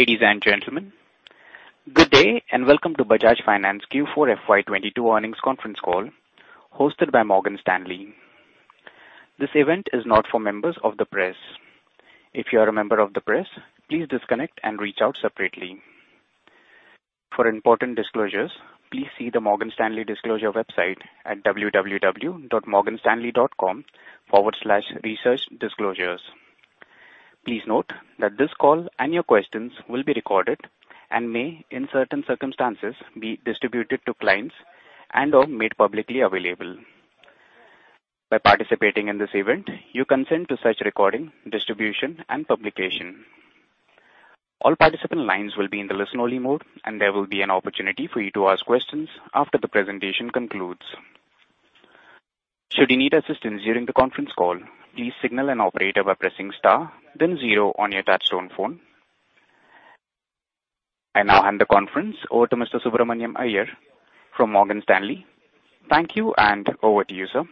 Ladies and gentlemen, good day, and welcome to Bajaj Finance Q4 FY 2022 earnings conference call hosted by Morgan Stanley. This event is not for members of the press. If you are a member of the press, please disconnect and reach out separately. For important disclosures, please see the Morgan Stanley disclosure website at www.morganstanley.com/researchdisclosures. Please note that this call and your questions will be recorded and may, in certain circumstances, be distributed to clients and/or made publicly available. By participating in this event, you consent to such recording, distribution and publication. All participant lines will be in the listen-only mode, and there will be an opportunity for you to ask questions after the presentation concludes. Should you need assistance during the conference call, please signal an operator by pressing star then zero on your touchtone phone. I now hand the conference over to Mr. Subramanian Iyer from Morgan Stanley. Thank you, and over to you, sir.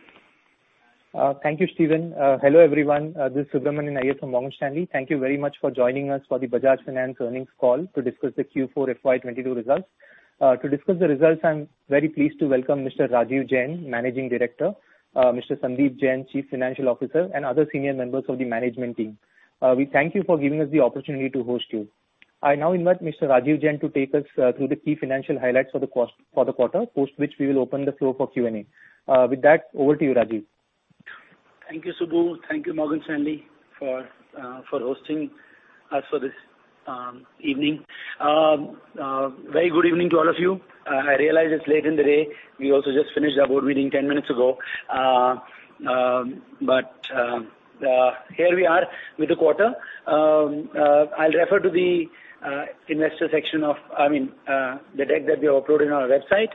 Thank you, Steven. Hello, everyone. This is Subramanian Iyer from Morgan Stanley. Thank you very much for joining us for the Bajaj Finance earnings call to discuss the Q4 FY 2022 results. To discuss the results, I'm very pleased to welcome Mr. Rajeev Jain, Managing Director, Mr. Sandeep Jain, CFO, and other senior members of the management team. We thank you for giving us the opportunity to host you. I now invite Mr. Rajeev Jain to take us through the key financial highlights for the quarter, post which we will open the floor for Q&A. With that, over to you, Rajeev. Thank you, Subbu. Thank you, Morgan Stanley for hosting us for this evening. Very good evening to all of you. I realize it's late in the day. We also just finished our board meeting ten minutes ago. Here we are with the quarter. I'll refer to the deck that we have uploaded on our website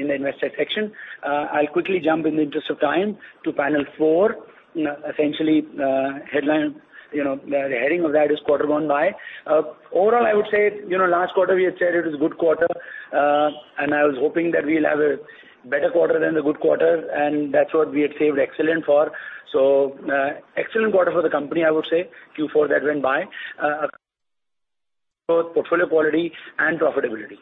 in the investor section. I'll quickly jump in the interest of time to panel four. You know, essentially, headline, you know, the heading of that is quarter gone by. Overall, I would say, you know, last quarter we had said it was good quarter, and I was hoping that we'll have a better quarter than the good quarter, and that's what we had said excellent for. Excellent quarter for the company, I would say, Q4 that went by, both portfolio quality and profitability.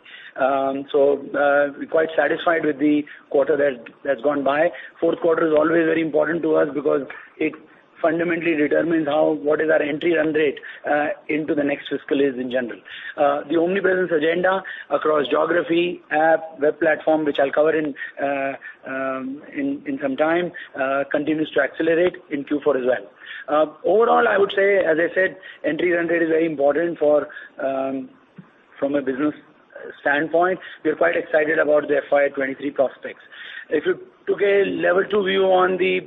We're quite satisfied with the quarter that's gone by. Q4 is always very important to us because it fundamentally determines what is our entry run rate into the next fiscal is in general. The omnipresence agenda across geography, app, web platform, which I'll cover in some time, continues to accelerate in Q4 as well. Overall, I would say, as I said, entry run rate is very important from a business standpoint. We're quite excited about the FY 2023 prospects. If you took a level two view on the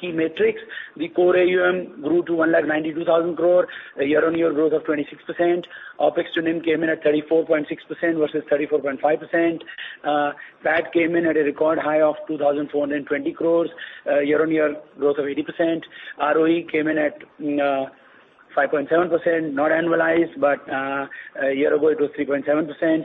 key metrics, the core AUM grew to 1,92,000 crore, a year-on-year growth of 26%. OpEx to NIM came in at 34.6% versus 34.5%. PAT came in at a record high of 2,420 crore, year-on-year growth of 80%. ROE came in at 5.7%, not annualized, but a year ago it was 3.7%.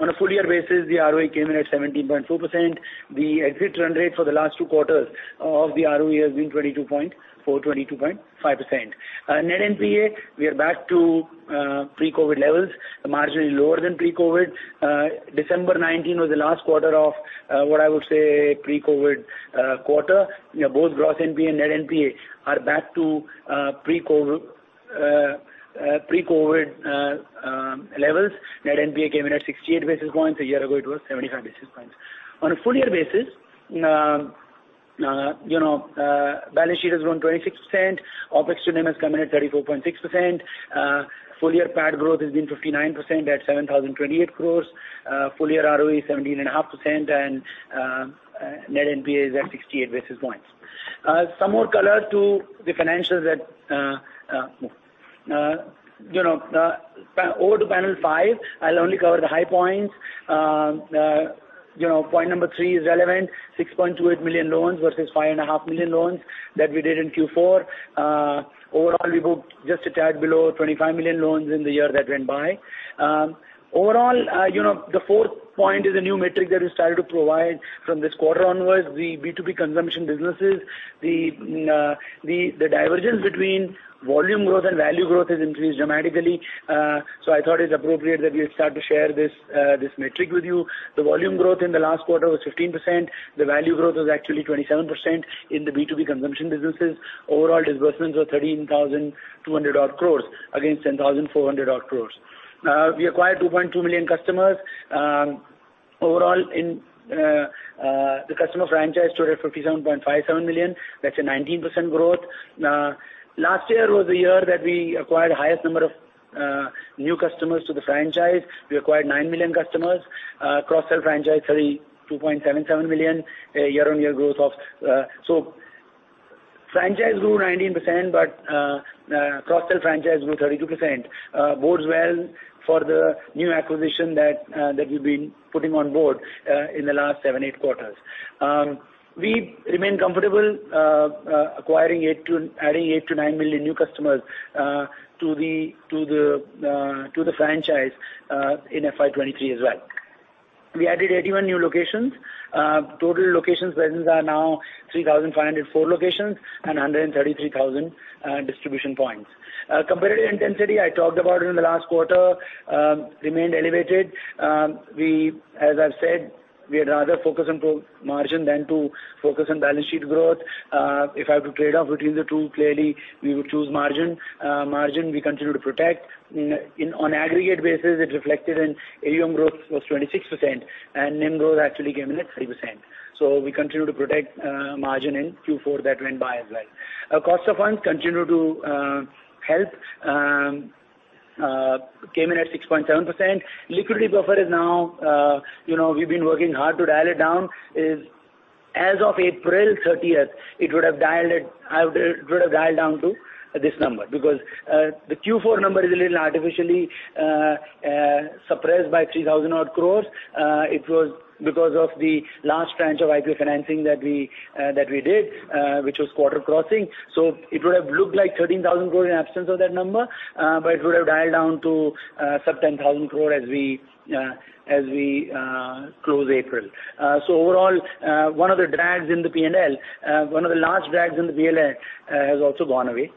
On a full year basis, the ROE came in at 17.4%. The exit run rate for the last two quarters of the ROE has been 22.4%, 22.5%. Net NPA, we are back to pre-COVID levels, marginally lower than pre-COVID. December 2019 was the last quarter of what I would say pre-COVID quarter. You know, both gross NPA and net NPA are back to pre-COVID levels. Net NPA came in at 68 basis points. A year ago, it was 75 basis points. On a full year basis, you know, balance sheet has grown 26%. OpEx to NIM has come in at 34.6%. Full year PAT growth has been 59% at 7,028 crore. Full year ROE is 17.5%, and net NPA is at 68 basis points. Some more color to the financials. Over to panel five, I'll only cover the high points. You know, point number three is relevant, 6.28 million loans versus 5.5 million loans that we did in Q4. Overall, we booked just a tad below 25 million loans in the year that went by. Overall, you know, the fourth point is a new metric that we started to provide from this quarter onwards, the B2B consumption businesses. The divergence between volume growth and value growth has increased dramatically. I thought it's appropriate that we start to share this metric with you. The volume growth in the last quarter was 15%. The value growth was actually 27% in the B2B consumption businesses. Overall disbursements were 13,200-odd crores against 10,400-odd crores. We acquired 2.2 million customers. Overall in the customer franchise stood at 57.57 million. That's a 19% growth. Last year was the year that we acquired the highest number of new customers to the franchise. We acquired 9 million customers. Cross-sell franchise, 32.77 million, a year-on-year growth of. Franchise grew 19%, but cross-sell franchise grew 32%. Bodes well for the new acquisition that we've been putting on board in the last seven-eight quarters. We remain comfortable adding 8-9 million new customers to the franchise in FY 2023 as well. We added 81 new locations. Total locations presence are now 3,504 locations and 133,000 distribution points. Competitive intensity, I talked about it in the last quarter, remained elevated. As I've said, we'd rather focus on profit margin than to focus on balance sheet growth. If I have to trade off between the two, clearly we would choose margin. Margin we continue to protect. On aggregate basis, it reflected in AUM growth was 26%, and NIM growth actually came in at 3%. We continue to protect margin in Q4 that went by as well. Our cost of funds continue to help came in at 6.7%. Liquidity buffer is now, you know, we've been working hard to dial it down. As of April 30, it would have dialed down to this number because the Q4 number is a little artificially suppressed by 3,000-odd crore. It was because of the large tranche of IPO financing that we did, which was quarter crossing. It would have looked like 13,000 crore in absence of that number, but it would have dialed down to sub-INR 10,000 crore as we close April. Overall, one of the large drags in the P&L has also gone away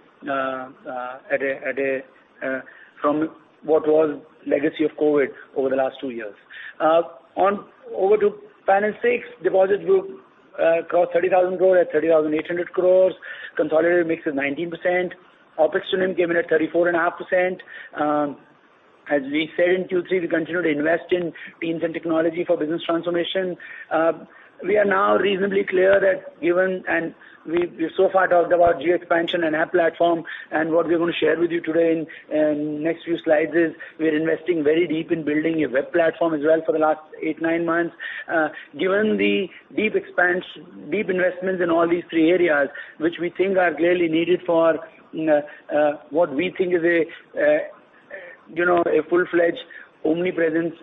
from what was legacy of COVID over the last two years. Now, over to finance stats, deposits grew across 30,000 crore at 30,800 crore. Consolidated mix is 19%. OpEx to NIM came in at 34.5%. As we said in Q3, we continue to invest in teams and technology for business transformation. We are now reasonably clear that given, and we so far talked about geo expansion and app platform and what we're going to share with you today in next few slides is we are investing very deep in building a web platform as well for the last eight-nine months. Given the deep investments in all these three areas, which we think are clearly needed for what we think is a you know a full-fledged omnipresent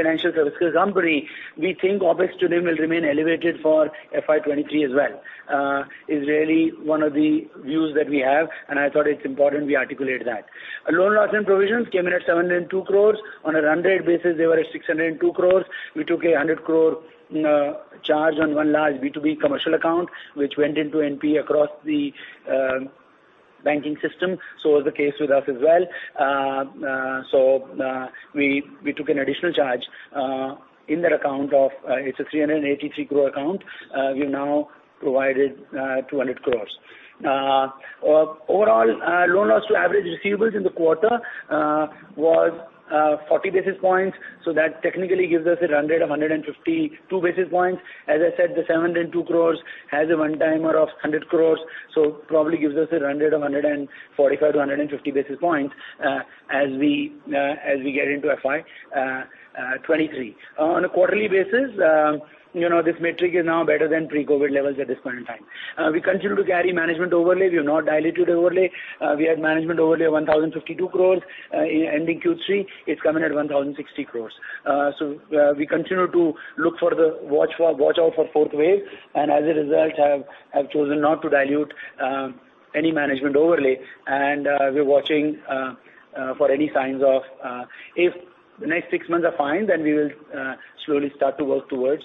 financial services company, we think OpEx to NIM will remain elevated for FY 2023 as well. That is really one of the views that we have, and I thought it's important we articulate that. Loan loss and provisions came in at 702 crore. On a run rate basis, they were at 602 crore. We took 100 crore charge on one large B2B commercial account, which went into NPA across the banking system. It was the case with us as well. We took an additional charge in that account. It's a 383 crore account. We've now provided 200 crores. Overall, loan loss to average receivables in the quarter was 40 basis points. That technically gives us a run rate of 152 basis points. As I said, the 702 crores has a one-timer of 100 crores, so probably gives us a run rate of 145-150 basis points as we get into FY 2023. On a quarterly basis, you know, this metric is now better than pre-COVID levels at this point in time. We continue to carry management overlay. We have not diluted overlay. We had management overlay of 1,052 crores ending Q3. It's coming at 1,060 crores. We continue to watch out for fourth wave, and as a result, have chosen not to dilute any management overlay. We're watching for any signs of, if the next six months are fine, then we will slowly start to work towards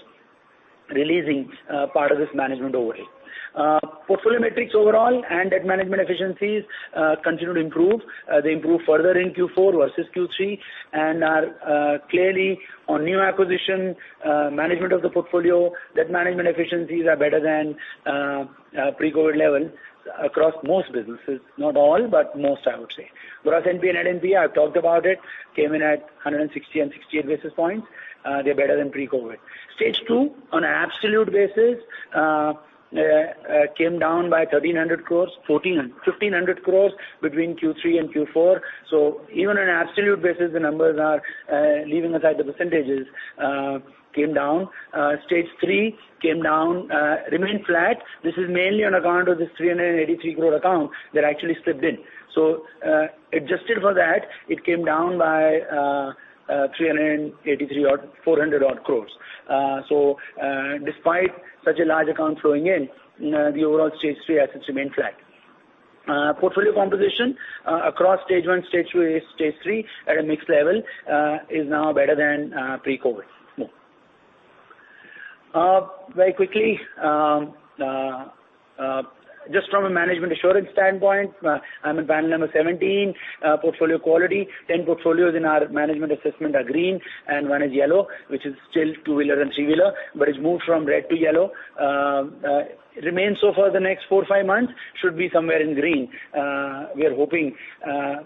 releasing part of this management overlay. Portfolio metrics overall and debt management efficiencies continue to improve. They improve further in Q4 versus Q3 and are clearly on new acquisition. Management of the portfolio, debt management efficiencies are better than pre-COVID level across most businesses. Not all, but most, I would say. Gross NPA, net NPA, I've talked about it, came in at 160 and 68 basis points. They're better than pre-COVID. Stage Two on an absolute basis came down by 1,300-1,500 crores between Q3 and Q4. Even on an absolute basis, the numbers, leaving aside the percentages, came down. Stage Three came down, remained flat. This is mainly on account of this 383 crore account that actually slipped in. Adjusted for that, it came down by 383 or 400 odd crores. Despite such a large account flowing in, the overall Stage 3 assets remain flat. Portfolio composition across Stage One, Stage Two, Stage Three at a mix level is now better than pre-COVID. Very quickly, just from a management assurance standpoint, I'm in band number 17. Portfolio quality, 10 portfolios in our management assessment are green, and 1 is yellow, which is still two-wheeler and three-wheeler, but it's moved from red to yellow. Remains so for the next four, five months. Should be somewhere in green, we are hoping,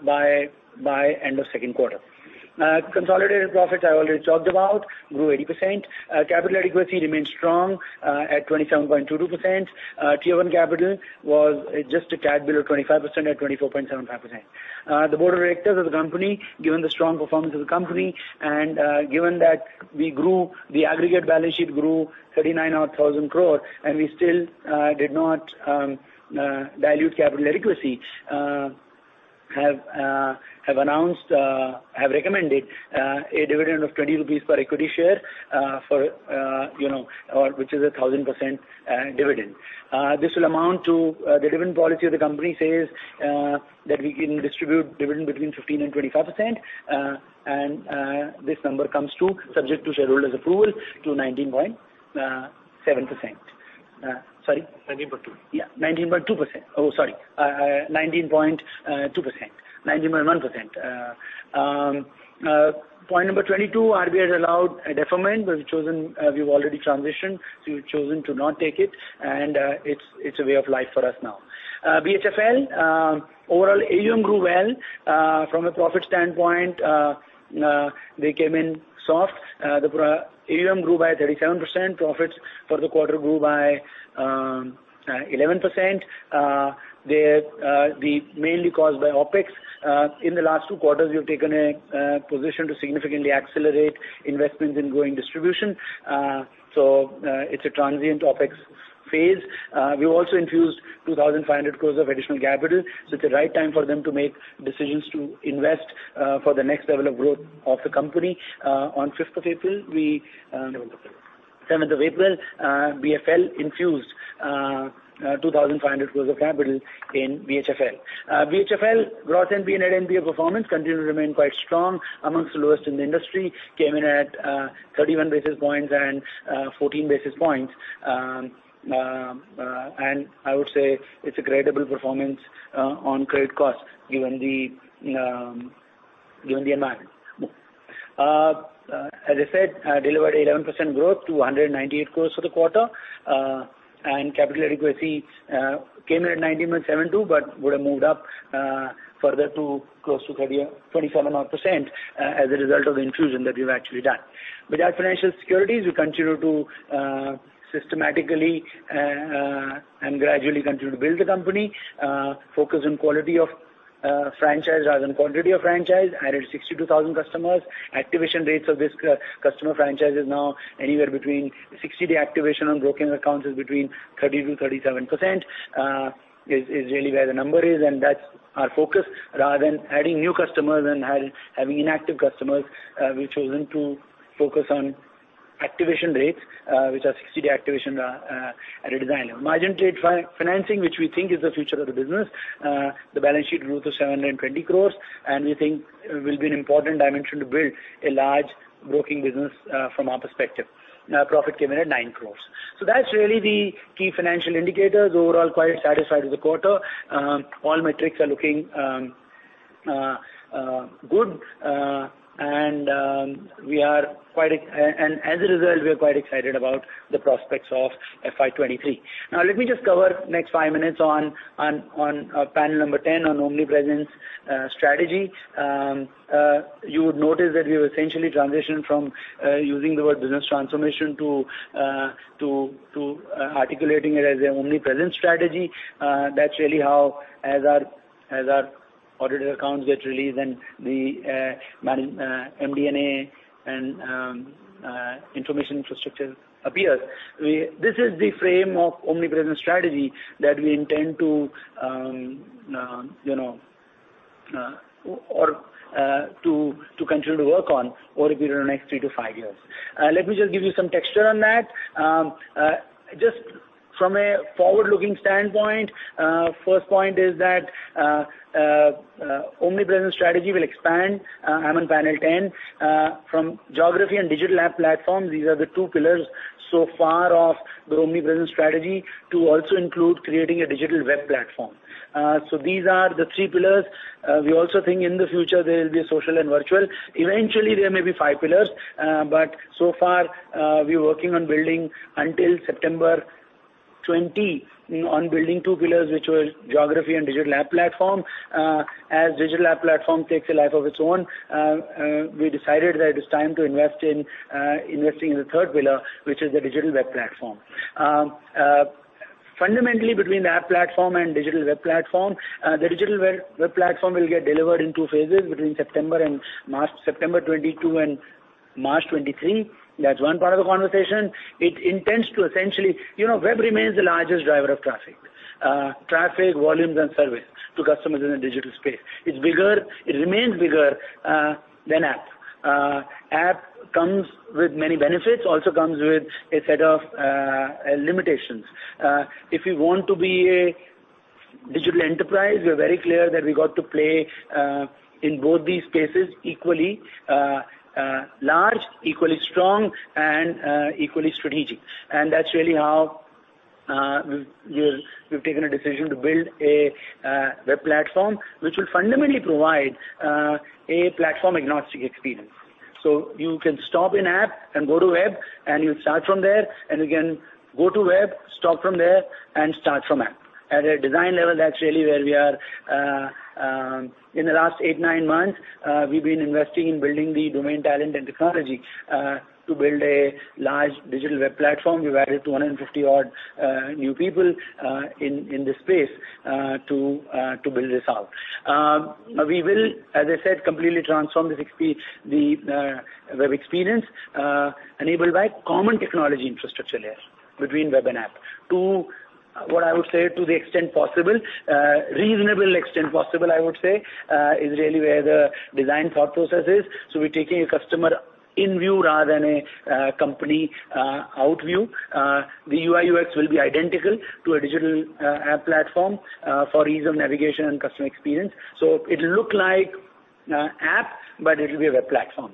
by end of Q2. Consolidated profits I already talked about grew 80%. Capital adequacy remains strong at 27.22%. Tier 1 capital was just a tad below 25% at 24.75%. The Board of Directors of the company, given the strong performance of the company and given that the aggregate balance sheet grew 39,000-odd crore and we still did not dilute capital adequacy, have recommended a dividend of 20 rupees per equity share, you know, which is a 1,000% dividend. This will amount to the dividend policy of the company says that we can distribute dividend between 15%-25%. This number comes to 19.7%, subject to shareholders' approval. Sorry? 19.2. 19.2%. Sorry. 19.1%. Point number 22, RBL allowed a deferment, but we've chosen, we've already transitioned, so we've chosen to not take it and, it's a way of life for us now. BHFL overall, AUM grew well, from a profit standpoint, they came in soft. AUM grew by 37%. Profits for the quarter grew by 11%. They're mainly caused by OpEx. In the last two quarters, we have taken a position to significantly accelerate investments in growing distribution. So, it's a transient OpEx phase. We also infused 2,500 crores of additional capital, so it's the right time for them to make decisions to invest for the next level of growth of the company. On the fifth of April, we Seventh of April. Seventh of April, BFL infused 2,500 crore of capital in BHFL. BHFL gross NPA, net NPA performance continued to remain quite strong among the lowest in the industry, came in at 31 basis points and 14 basis points. I would say it's a creditable performance on credit costs given the amount. As I said, delivered 11% growth to 198 crore for the quarter. Capital adequacy came in at 19.72, but would have moved up further to close to 27 odd percent as a result of the infusion that we've actually done. Bajaj Financial Securities, we continue to systematically and gradually continue to build the company. Focus on quality of franchise rather than quantity of franchise. Added 62,000 customers. Activation rates of this customer franchise is now anywhere between sixty-day activation on broking accounts is between 30%-37%, is really where the number is, and that's our focus rather than adding new customers and having inactive customers, we've chosen to focus on activation rates, which are sixty-day activation, at a design level. Margin trade financing, which we think is the future of the business, the balance sheet grew to 720 crores, and we think will be an important dimension to build a large broking business, from our perspective. Profit came in at 9 crores. That's really the key financial indicators. Overall, quite satisfied with the quarter. All metrics are looking good. We are quite excited about the prospects of FY 2023. Now let me just cover next five minutes on panel number 10 on Omnipresence strategy. You would notice that we have essentially transitioned from using the word business transformation to articulating it as a Omnipresence strategy. That's really how as our audited accounts get released and the MD&A and information infrastructure appears, this is the frame of Omnipresence strategy that we intend to, you know, to continue to work on over a period of the next three to five years. Let me just give you some texture on that. Just from a forward-looking standpoint, first point is that omnipresence strategy will expand from geography and digital app platforms. These are the two pillars so far of the omnipresence strategy to also include creating a digital web platform. These are the three pillars. We also think in the future there will be social and virtual. Eventually, there may be five pillars, but so far, we're working on building two pillars until September 2020, which were geography and digital app platform. As digital app platform takes a life of its own, we decided that it's time to invest in the third pillar, which is the digital web platform. Fundamentally between the app platform and digital web platform, the digital web platform will get delivered in two phases between September and March, September 2022 and March 2023. That's one part of the conversation. It intends to essentially you know web remains the largest driver of traffic, volumes and service to customers in the digital space. It's bigger, it remains bigger than app. App comes with many benefits, also comes with a set of limitations. If we want to be a digital enterprise, we are very clear that we got to play in both these spaces equally large, equally strong and equally strategic. That's really how we've taken a decision to build a web platform, which will fundamentally provide a platform agnostic experience. You can start in app and go to web and you start from there, and you can go to web, start from there and start from app. At a design level, that's really where we are. In the last eight-nine months, we've been investing in building the domain talent and technology to build a large digital web platform. We've added 250-odd new people in this space to build this out. We will, as I said, completely transform the web experience enabled by common technology infrastructure layers between web and app to what I would say to the extent possible, reasonable extent possible, I would say, is really where the design thought process is. We're taking a customer in view rather than a company out view. The UI UX will be identical to a digital app platform for ease of navigation and customer experience. It'll look like an app, but it will be a web platform.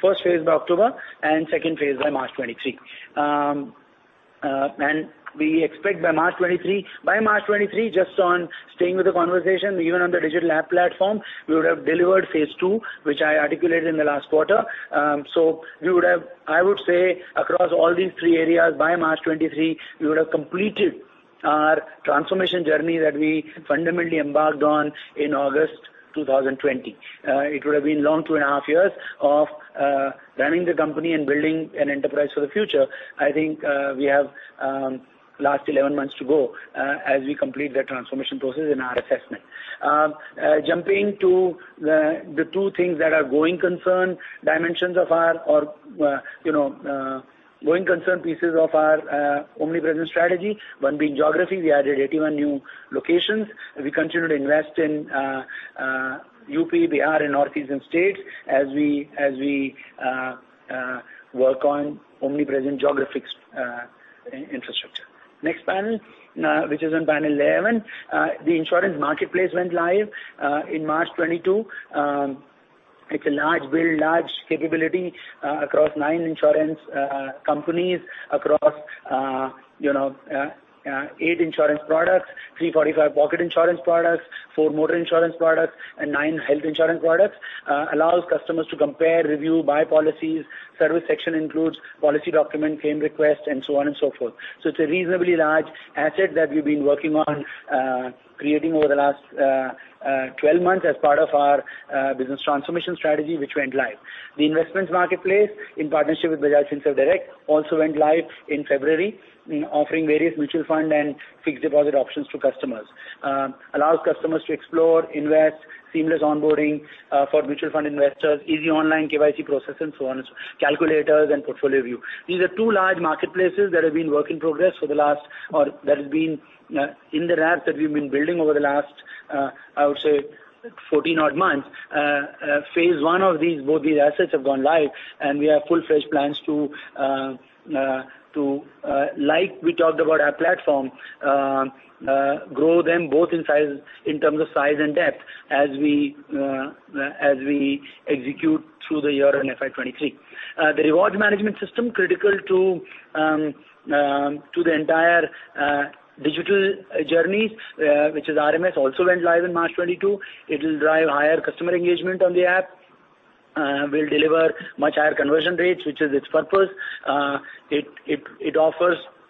Phase I by October and second phase by March 2023. We expect by March 2023. By March 2023, just on staying with the conversation, even on the digital app platform, we would have delivered phase II, which I articulated in the last quarter. We would have, I would say, across all these three areas, by March 2023, completed our transformation journey that we fundamentally embarked on in August 2020. It would have been a long two and a half years of running the company and building an enterprise for the future. I think we have last 11 months to go as we complete the transformation process in our assessment. Jumping to the two things that are going concern dimensions of our or you know going concern pieces of our omnipresent strategy. One being geography. We added 81 new locations, and we continue to invest in UP, BR, and northeastern states as we work on omnipresent geographic infrastructure. Next panel, which is on panel 11. The insurance marketplace went live in March 2022. It's a large, very large capability across nine insurance companies, across, you know, eight insurance products, 345 pocket insurance products, four motor insurance products, and nine health insurance products. Allows customers to compare, review, buy policies. Service section includes policy document, claim request, and so on and so forth. It's a reasonably large asset that we've been working on, creating over the last 12 months as part of our business transformation strategy, which went live. The investments marketplace, in partnership with Bajaj Finserv Direct, also went live in February, offering various mutual fund and fixed deposit options to customers. Allows customers to explore, invest, seamless onboarding for mutual fund investors, easy online KYC process and so on, calculators and portfolio view. These are two large marketplaces that have been under wraps that we've been building over the last, I would say 14 odd months. Phase one of these, both these assets have gone live, and we have full-fledged plans to, like we talked about our platform, grow them both in size, in terms of size and depth as we execute through the year in FY 2023. The reward management system, critical to the entire digital journey, which is RMS, also went live in March 2022. It will drive higher customer engagement on the app, will deliver much higher conversion rates, which is its purpose.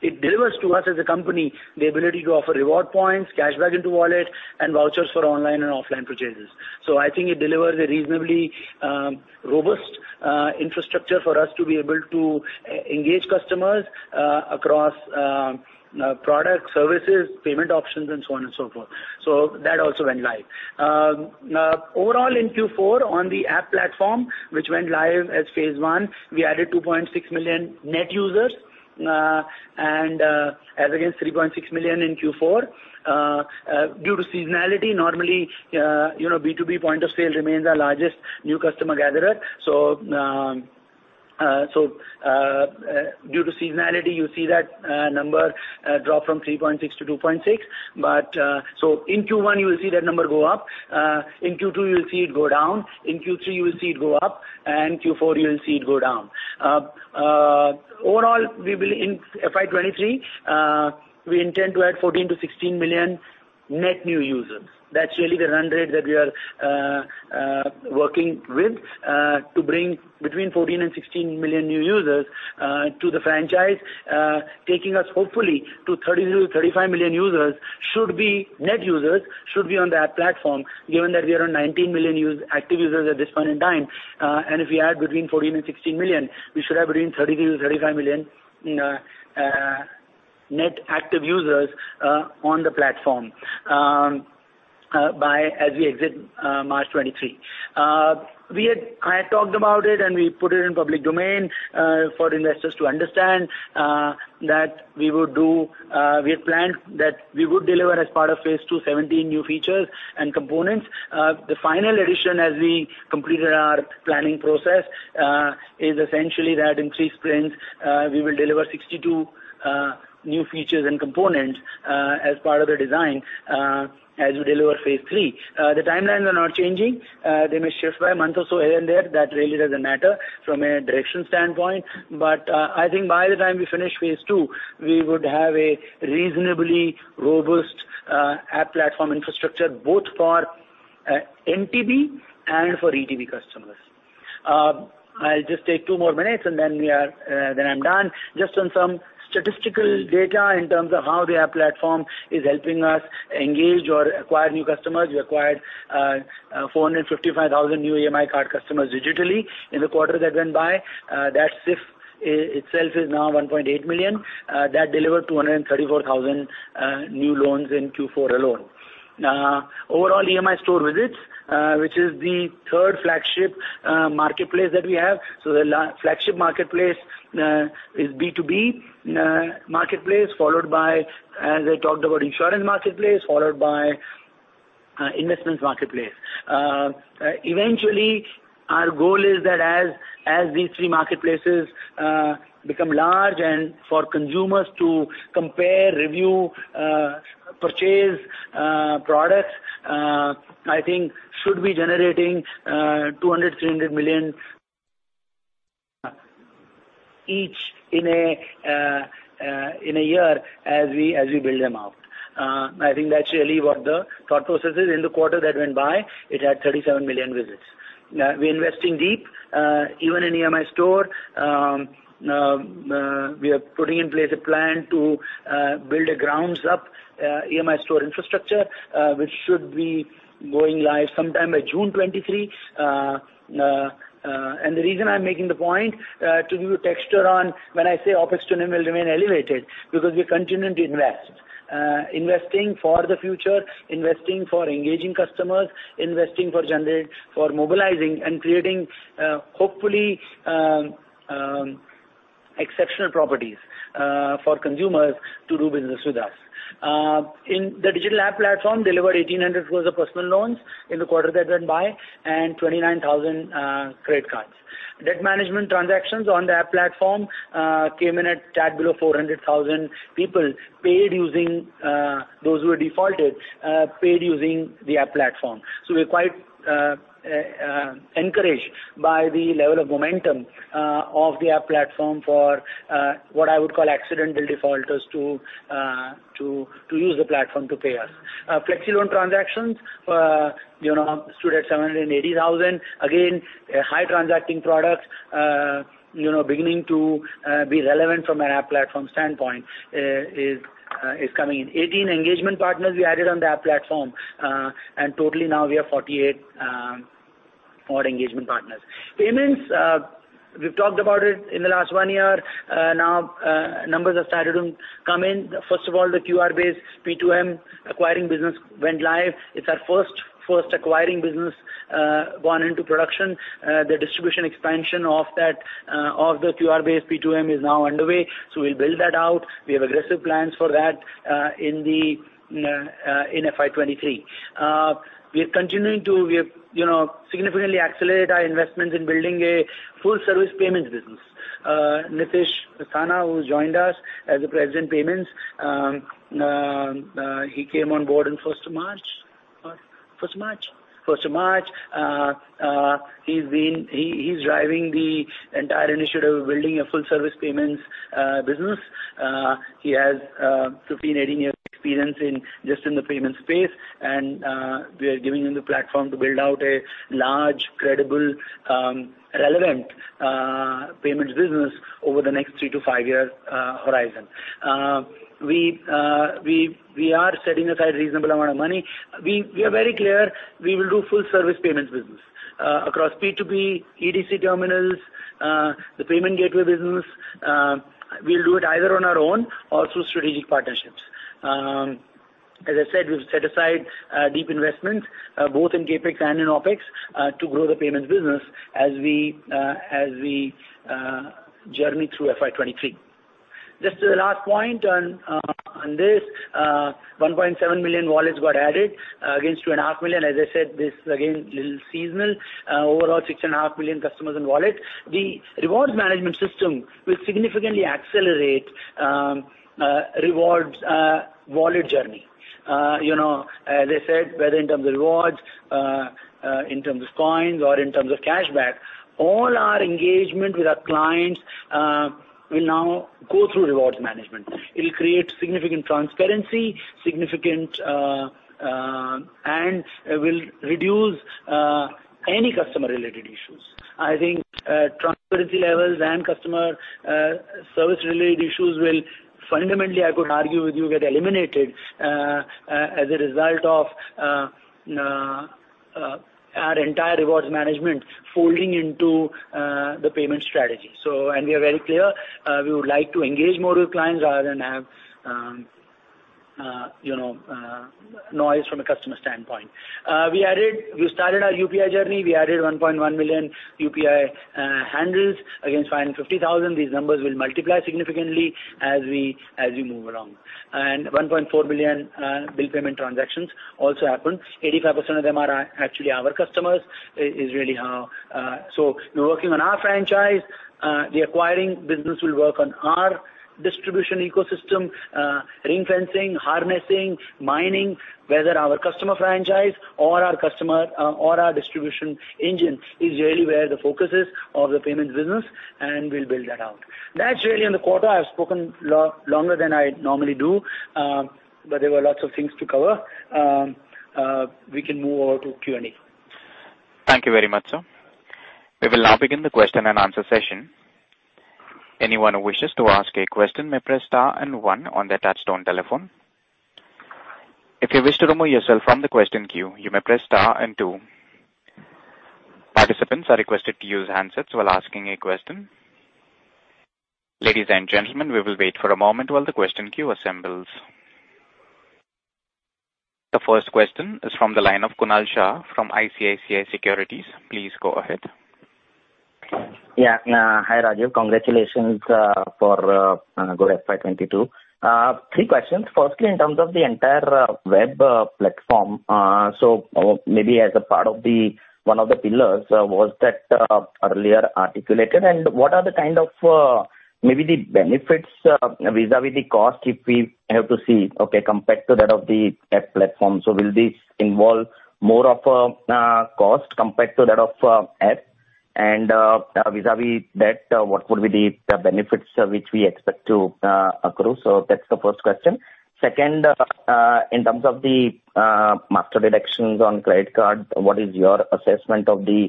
It delivers to us as a company the ability to offer reward points, cashback into wallet, and vouchers for online and offline purchases. I think it delivers a reasonably robust infrastructure for us to be able to engage customers across product services, payment options and so on and so forth. That also went live. Overall in Q4 on the app platform, which went live as phase one, we added 2.6 million net users, and as against 3.6 million in Q4. Due to seasonality, normally, you know, B2B point of sale remains our largest new customer gatherer. Due to seasonality, you see that number drop from 3.6 to 2.6. In Q1, you will see that number go up. In Q2, you will see it go down. In Q3, you will see it go up, and Q4, you will see it go down. Overall, in FY 2023, we intend to add 14-16 million net new users. That's really the run rate that we are working with to bring between 14 and 16 million new users to the franchise, taking us hopefully to 30-35 million users. Net users should be on the app platform, given that we are on 19 million active users at this point in time. If we add between 14-16 million, we should have between 30-35 million net active users on the platform by as we exit March 2023. I had talked about it, and we put it in public domain for investors to understand that we would do, we have planned that we would deliver as part of phase two, 17 new features and components. The final addition as we completed our planning process is essentially that in three sprints, we will deliver 62 new features and components as part of the design as we deliver phase III. The timelines are not changing. They may shift by a month or so here and there. That really doesn't matter from a directional standpoint. I think by the time we finish phase II, we would have a reasonably robust app platform infrastructure both for NTB and for ETB customers. I'll just take two more minutes, and then I'm done. Just on some statistical data in terms of how the app platform is helping us engage or acquire new customers. We acquired 455,000 new EMI card customers digitally in the quarter that went by. That SIF itself is now 1.8 million. That delivered 234,000 new loans in Q4 alone. Overall EMI store visits, which is the third flagship marketplace that we have. The flagship marketplace is B2B marketplace, followed by, as I talked about, insurance marketplace, followed by investments marketplace. Eventually. Our goal is that as these three marketplaces become large and for consumers to compare, review, purchase products, I think should be generating 200 million-300 million each in a year as we build them out. I think that's really what the thought process is. In the quarter that went by, it had 37 million visits. We're investing deep even in EMI Store. We are putting in place a plan to build a ground-up EMI Store infrastructure, which should be going live sometime by June 2023. The reason I'm making the point to give you a texture on when I say OpEx to NIM will remain elevated because we continue to invest. Investing for the future, investing for engaging customers, investing for mobilizing and creating, hopefully, exceptional properties for consumers to do business with us. In the digital app platform, we delivered 1,800 worth of personal loans in the quarter that went by, and 29,000 credit cards. Debt management transactions on the app platform came in at a tad below 400,000. People who had defaulted paid using the app platform. We're quite encouraged by the level of momentum of the app platform for what I would call accidental defaulters to use the platform to pay us. Flexi Loan transactions, you know, stood at 780,000. Again, a high transacting product, you know, beginning to be relevant from an app platform standpoint, is coming in. 18 engagement partners we added on the app platform, and totally now we have 48 odd engagement partners. Payments, we've talked about it in the last one year. Now, numbers have started to come in. First of all, the QR-based P2M acquiring business went live. It's our first acquiring business gone into production. The distribution expansion of that of the QR-based P2M is now underway, so we'll build that out. We have aggressive plans for that in FY 2023. We are continuing to, we have, you know, significantly accelerate our investments in building a full service payments business. Nitish Asthana, who's joined us as the President, Payments, he came on board in the first of March. He's driving the entire initiative of building a full service payments business. He has 15, 18 years experience in just the payments space, and we are giving him the platform to build out a large, credible, relevant payments business over the next three to five years horizon. We are setting aside reasonable amount of money. We are very clear we will do full service payments business across P2P, EDC terminals, the payment gateway business. We'll do it either on our own or through strategic partnerships. As I said, we've set aside deep investments both in CapEx and in OpEx to grow the payments business as we journey through FY 2023. Just the last point on this. 1.7 million wallets got added against 2.5 million. As I said, this is again little seasonal. Overall 6.5 million customers in wallet. The rewards management system will significantly accelerate rewards wallet journey. You know, as I said, whether in terms of rewards in terms of coins or in terms of cashback, all our engagement with our clients will now go through rewards management. It'll create significant transparency, significant, and will reduce any customer-related issues. I think transparency levels and customer service-related issues will fundamentally, I could argue with you, get eliminated as a result of our entire rewards management folding into the payment strategy. We are very clear we would like to engage more with clients rather than have you know noise from a customer standpoint. We started our UPI journey. We added 1.1 million UPI handles against 550,000. These numbers will multiply significantly as we move along. 1.4 billion bill payment transactions also happened. 85% of them are actually our customers. This is really how we're working on our franchise. The acquiring business will work on our distribution ecosystem, ring-fencing, harnessing, mining, whether our customer franchise or our distribution engine is really where the focus is of the payments business, and we'll build that out. That's really on the quarter. I've spoken longer than I normally do, but there were lots of things to cover. We can move over to Q&A. Thank you very much, sir. We will now begin the question and answer session. Anyone who wishes to ask a question may press star and one on their touchtone telephone. If you wish to remove yourself from the question queue, you may press star and two. Participants are requested to use handsets while asking a question. Ladies and gentlemen, we will wait for a moment while the question queue assembles. The first question is from the line of Kunal Shah from ICICI Securities. Please go ahead. Yeah. Hi, Rajeev. Congratulations for good FY 2022. three questions. Firstly, in terms of the entire web platform, maybe as a part of the one of the pillars that was earlier articulated, and what are the kind of maybe the benefits vis-a-vis the cost if we have to see, okay, compared to that of the app platform? Will this involve more cost compared to that of app and vis-a-vis that, what would be the benefits which we expect to accrue? That's the first question. Second, in terms of the master deductions on credit card, what is your assessment of the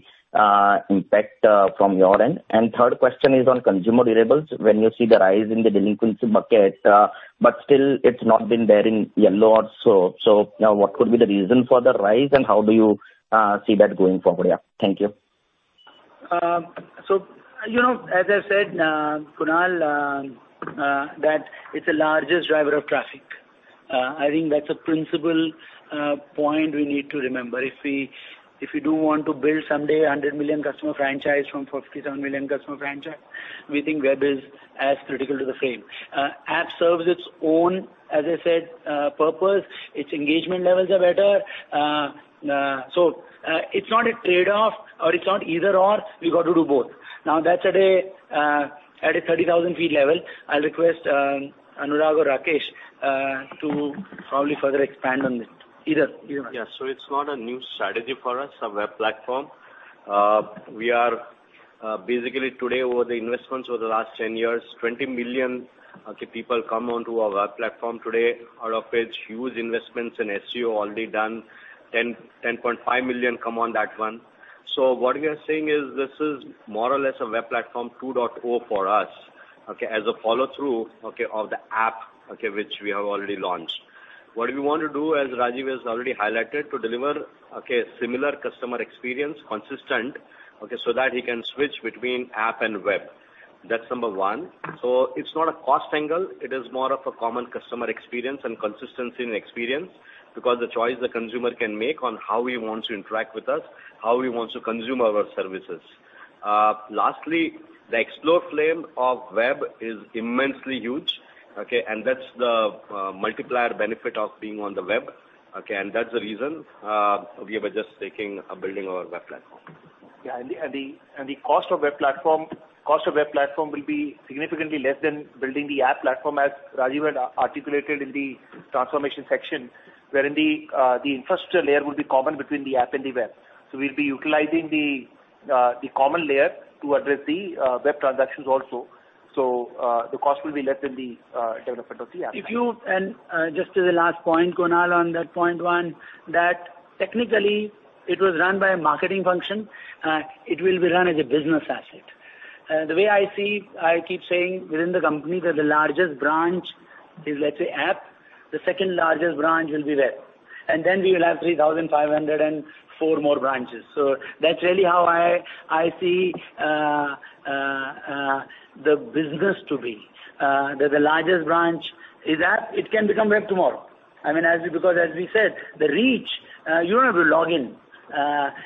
impact from your end? Third question is on consumer durables. When you see the rise in the delinquency bucket, but still it's not been there in yellow or so. Now what could be the reason for the rise, and how do you see that going forward? Yeah. Thank you. You know, as I said, Kunal, that it's the largest driver of traffic. I think that's a principal point we need to remember. If we do want to build someday a 100 million customer franchise from 57 million customer franchise, we think web is as critical to the frame. App serves its own, as I said, purpose. Its engagement levels are better. It's not a trade-off or it's not either/or, we've got to do both. Now that's today, at a 30,000 feet level. I'll request Anurag or Rakesh to probably further expand on this. Either of you. Yeah. It's not a new strategy for us, a web platform. We are basically today, over the investments over the last 10 years, 20 million of the people come onto our web platform. Huge investments in SEO already done. 10.5 million come on that one. What we are saying is this is more or less a web platform 2.0 for us, okay? As a follow through, okay, of the app, okay, which we have already launched. What we want to do, as Rajeev has already highlighted, to deliver, okay, similar customer experience, consistent, okay? That he can switch between app and web. That's number one. It's not a cost angle. It is more of a common customer experience and consistency in experience because the choice the consumer can make on how he wants to interact with us, how he wants to consume our services. Lastly, the explore frame of web is immensely huge, okay? That's the multiplier benefit of being on the web, okay? That's the reason we were just talking about building our web platform. The cost of web platform will be significantly less than building the app platform as Rajeev had articulated in the transformation section, wherein the infrastructure layer will be common between the app and the web. We'll be utilizing the common layer to address the web transactions also. The cost will be less than the development of the app. If you can, just to the last point, Kunal, on that point one, that technically it was run by a marketing function. It will be run as a business asset. The way I see, I keep saying within the company that the largest branch is, let's say, app. The second-largest branch will be web. We will have 3,504 more branches. That's really how I see the business to be. That the largest branch is app. It can become web tomorrow. I mean, because as we said, the reach, you don't have to log in.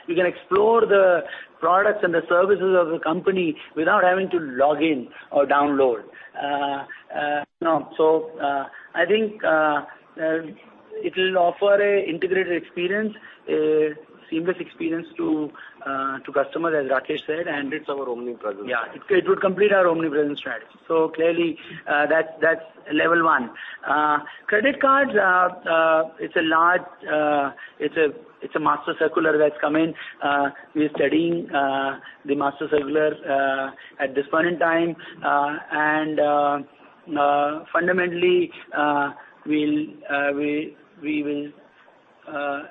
You can explore the products and the services of the company without having to log in or download. No. I think, it'll offer a integrated experience, a seamless experience to customers, as Rakesh said. It's our omnipresence. Yeah. It would complete our omnipresence strategy. Clearly, that's level one. Credit cards are a large, it's a master circular that's come in. We're studying the master circular at this point in time. Fundamentally, we will,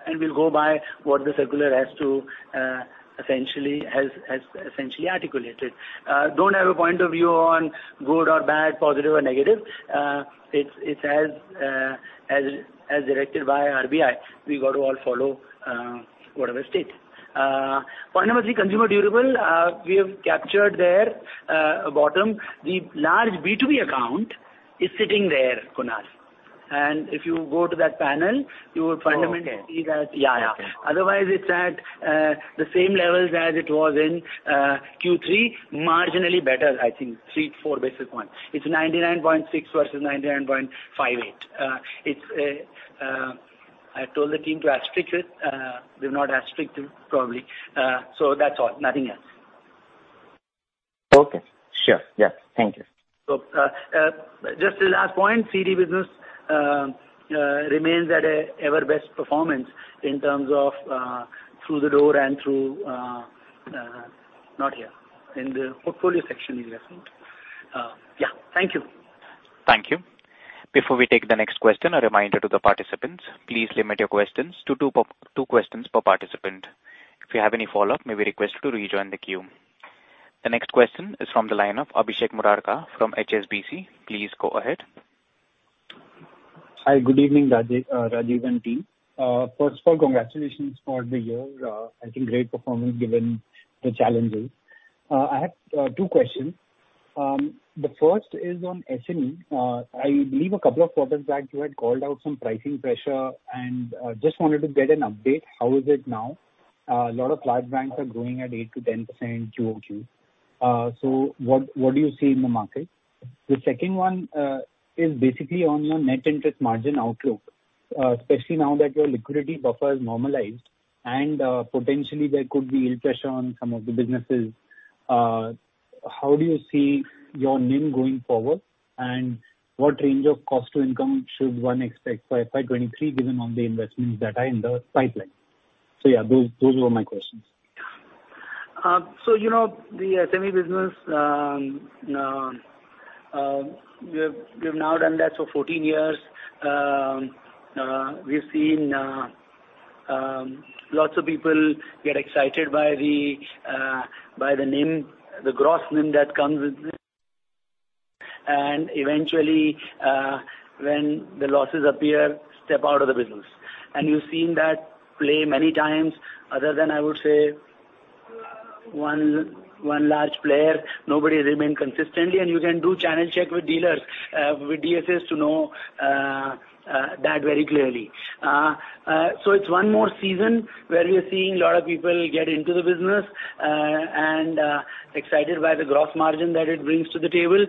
and we'll go by what the circular has essentially articulated. Don't have a point of view on good or bad, positive or negative. It's as directed by RBI. We got to all follow whatever is stated. Fundamentally, consumer durable, we have captured their bottom. The large B2B account is sitting there, Kunal. If you go to that panel, you will fundamentally- Oh, okay. See that. Yeah, yeah. Okay. Otherwise, it's at the same levels as it was in Q3. Marginally better, I think, three-four basis points. It's 99.6% versus 99.58%. I told the team to restrict it. They've not restricted probably. That's all. Nothing else. Okay. Sure. Yeah. Thank you. Just the last point, CD business remains at an ever best performance in terms of through the door and throughput, noted here. In the portfolio section, you'll see it. Thank you. Thank you. Before we take the next question, a reminder to the participants, please limit your questions to two questions per participant. If you have any follow-up, may we request you to rejoin the queue. The next question is from the line of Abhishek Murarka from HSBC. Please go ahead. Hi. Good evening, Rajeev and team. First of all, congratulations for the year. I think great performance given the challenges. I have two questions. The first is on SME. I believe a couple of quarters back, you had called out some pricing pressure and just wanted to get an update. How is it now? A lot of large banks are growing at 8%-10% QOQ. What do you see in the market? The second one is basically on your net interest margin outlook, especially now that your liquidity buffer is normalized and potentially there could be yield pressure on some of the businesses. How do you see your NIM going forward, and what range of cost to income should one expect for FY 2023, given all the investments that are in the pipeline? Yeah, those were my questions. You know, the SME business, we've now done that for 14 years. We've seen lots of people get excited by the NIM, the gross NIM that comes with it. Eventually, when the losses appear, step out of the business. You've seen that play many times other than, I would say, one large player, nobody has remained consistently. You can do channel check with dealers, with DSAs to know that very clearly. It's one more season where we're seeing a lot of people get into the business, and excited by the gross margin that it brings to the table.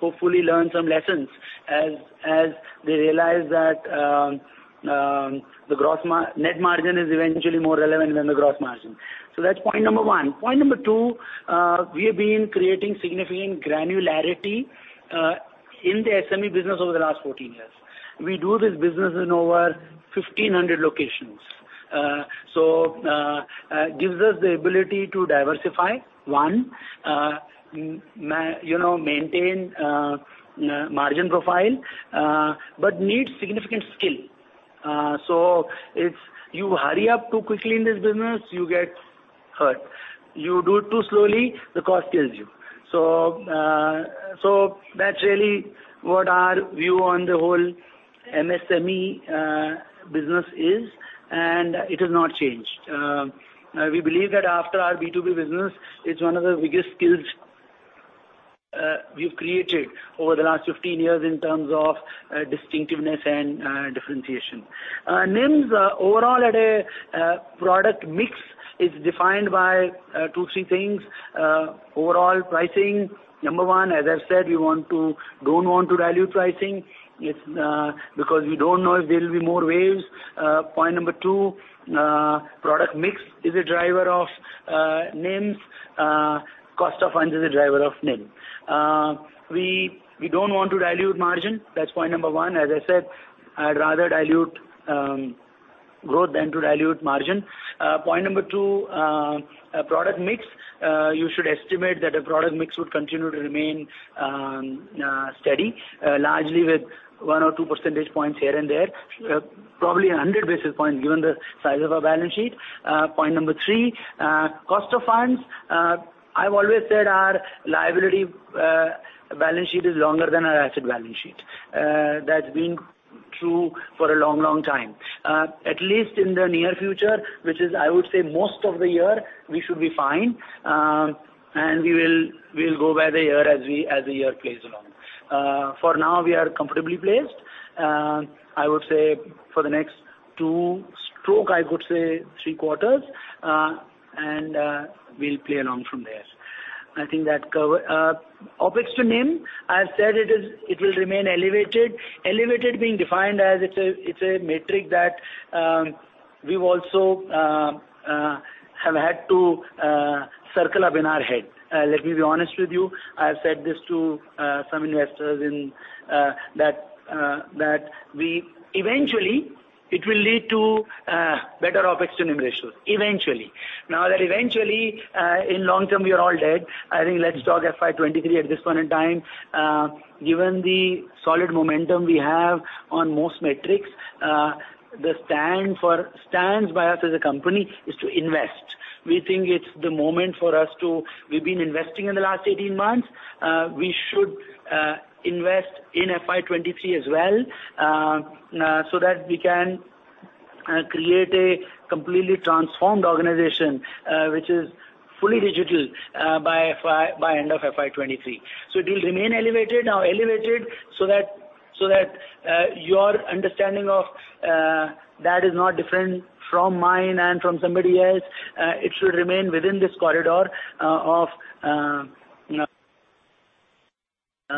Hopefully learn some lessons as they realize that the net margin is eventually more relevant than the gross margin. That's point number one. Point number two, we have been creating significant granularity in the SME business over the last 14 years. We do this business in over 1,500 locations. It gives us the ability to diversify, one, you know, maintain margin profile, but needs significant skill. If you hurry up too quickly in this business, you get hurt. You do it too slowly, the cost kills you. That's really what our view on the whole MSME business is, and it has not changed. We believe that after our B2B business, it's one of the biggest skills we've created over the last 15 years in terms of distinctiveness and differentiation. NIMs are overall. Product mix is defined by two, three things. Overall pricing, number one, as I said, we don't want to dilute pricing. It's because we don't know if there will be more waves. Point number two, product mix is a driver of NIMs. Cost of funds is a driver of NIM. We don't want to dilute margin. That's point number one. As I said, I'd rather dilute growth than to dilute margin. Point number two, product mix. You should estimate that a product mix would continue to remain steady, largely with one or two percentage points here and there. Probably 100 basis points given the size of our balance sheet. Point number three, cost of funds. I've always said our liability balance sheet is longer than our asset balance sheet. That's been true for a long, long time. At least in the near future, which is, I would say, most of the year, we should be fine. We will, we'll go by the year as we, as the year plays along. For now, we are comfortably placed. I would say for the next two or three quarters, and we'll play along from there. I think that cover... OpEx to NIM, I've said it is. It will remain elevated. Elevated being defined as it's a metric that we've also had to circle up in our head. Let me be honest with you. I've said this to some investors in that we eventually it will lead to better OpEx to NIM ratios. Eventually. Now, that eventually, in long term, we are all dead. I think let's talk FY 2023 at this point in time. Given the solid momentum we have on most metrics, the stance of ours as a company is to invest. We think it's the moment for us to invest. We've been investing in the last 18 months. We should invest in FY 2023 as well, so that we can create a completely transformed organization, which is fully digital, by end of FY 2023. It will remain elevated. Now elevated so that your understanding of that is not different from mine and from somebody else. It should remain within this corridor, in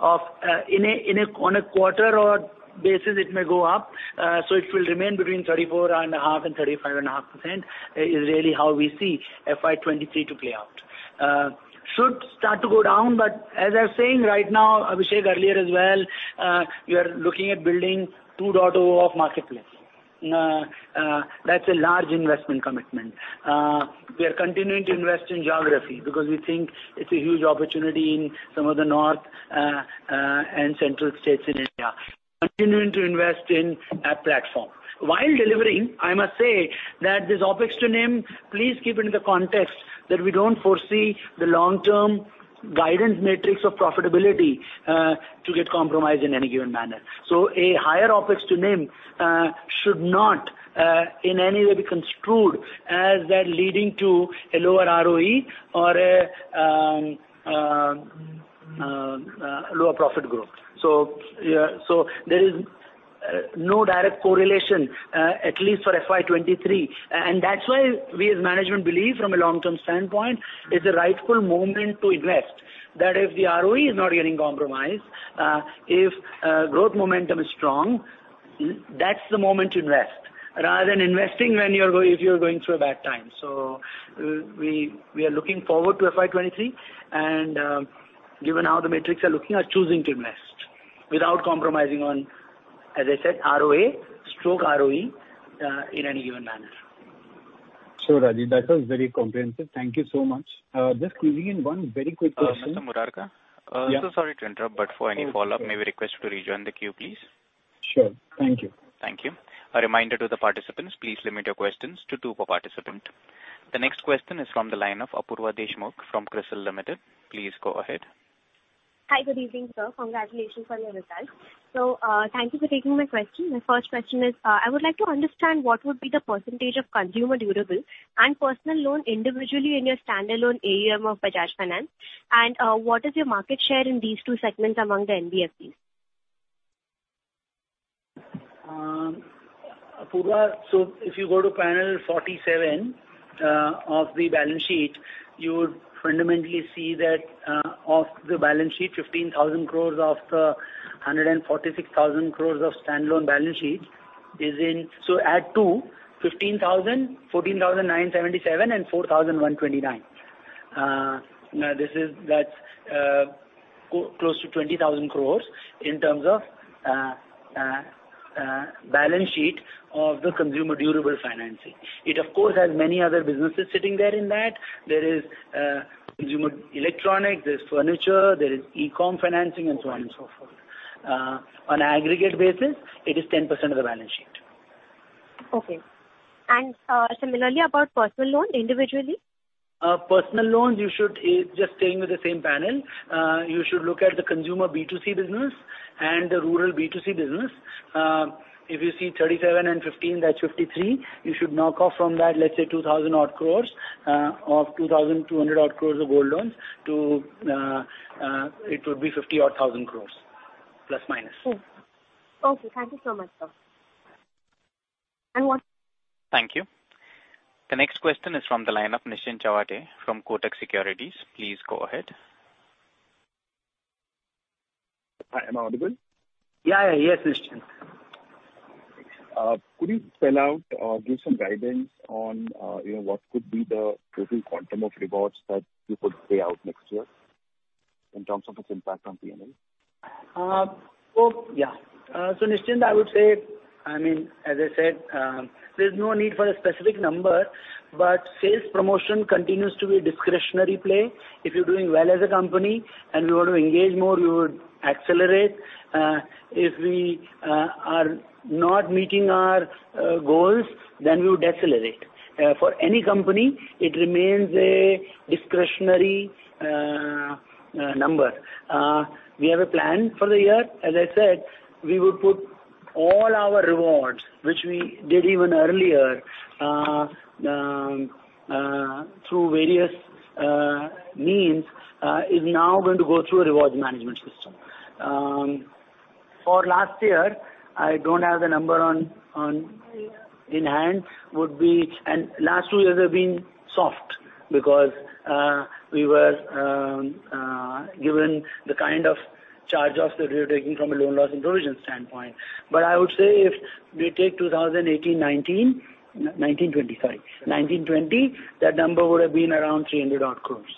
a on a quarter-on-quarter basis, it may go up. It will remain between 34.5% and 35.5% is really how we see FY 2023 to play out. It should start to go down, but as I was saying right now, Abhishek earlier as well, we are looking at building 2.0 of marketplace. That's a large investment commitment. We are continuing to invest in geographies because we think it's a huge opportunity in some of the north and central states in India. Continuing to invest in app platform. While delivering, I must say that this OpEx to NIM, please keep it in the context that we don't foresee the long-term guidance metrics of profitability to get compromised in any given manner. A higher OpEx to NIM should not in any way be construed as that leading to a lower ROE or a lower profit growth. There is no direct correlation at least for FY 2023. That's why we as management believe from a long-term standpoint it's the rightful moment to invest. That if the ROE is not getting compromised, if growth momentum is strong, that's the moment to invest rather than investing when you're going through a bad time. We are looking forward to FY 2023, and given how the metrics are looking, are choosing to invest without compromising on, as I said, ROA/ROE, in any given manner. Sure, Rajeev. That was very comprehensive. Thank you so much. Just squeezing in one very quick question. Mr. Murarka? Yeah. Sorry to interrupt, but for any follow-up may we request you to rejoin the queue, please? Sure. Thank you. Thank you. A reminder to the participants, please limit your questions to two per participant. The next question is from the line of Apurva Deshmukh from CRISIL Limited. Please go ahead. Hi. Good evening, sir. Congratulations on your results. Thank you for taking my question. My first question is, I would like to understand what would be the percentage of consumer durables and personal loan individually in your standalone AUM of Bajaj Finance and, what is your market share in these two segments among the NBFCs? Apurva, if you go to panel 47 of the balance sheet, you would fundamentally see that of the balance sheet 15,000 crores of the 146,000 crores of standalone balance sheet is in. Add two, 15,000, 14,977 and 4,129. Now this is close to 20,000 crores in terms of balance sheet of the consumer durables financing. It of course has many other businesses sitting there in that. There is consumer electronics, there's furniture, there is e-com financing, and so on and so forth. On aggregate basis, it is 10% of the balance sheet. Okay. Similarly about personal loan individually? Personal loans you should, just staying with the same panel, you should look at the consumer B2C business and the rural B2C business. If you see 37 and 15, that's 53. You should knock off from that, let's say 2,000-odd crores, or 2,200-odd crores of gold loans. It would be 50,000-odd crores, plus minus. Okay. Thank you so much, sir. One- Thank you. The next question is from the line of Nischint Chawathe from Kotak Securities. Please go ahead. Hi, am I audible? Yeah, yeah. Yes, Nischint. Could you spell out or give some guidance on, you know, what could be the total quantum of rewards that you could pay out next year in terms of its impact on P&L? Nischint, I would say. I mean, as I said, there's no need for a specific number, but sales promotion continues to be a discretionary play. If you're doing well as a company and we want to engage more, we would accelerate. If we are not meeting our goals, then we would decelerate. For any company, it remains a discretionary number. We have a plan for the year. As I said, we would put all our rewards, which we did even earlier, through various means, is now going to go through a rewards management system. For last year, I don't have the number in hand. Would be. Last two years have been soft because we were given the kind of charge-offs that we were taking from a loan loss and provision standpoint. I would say if we take 2019-20, that number would have been around 300 odd crores,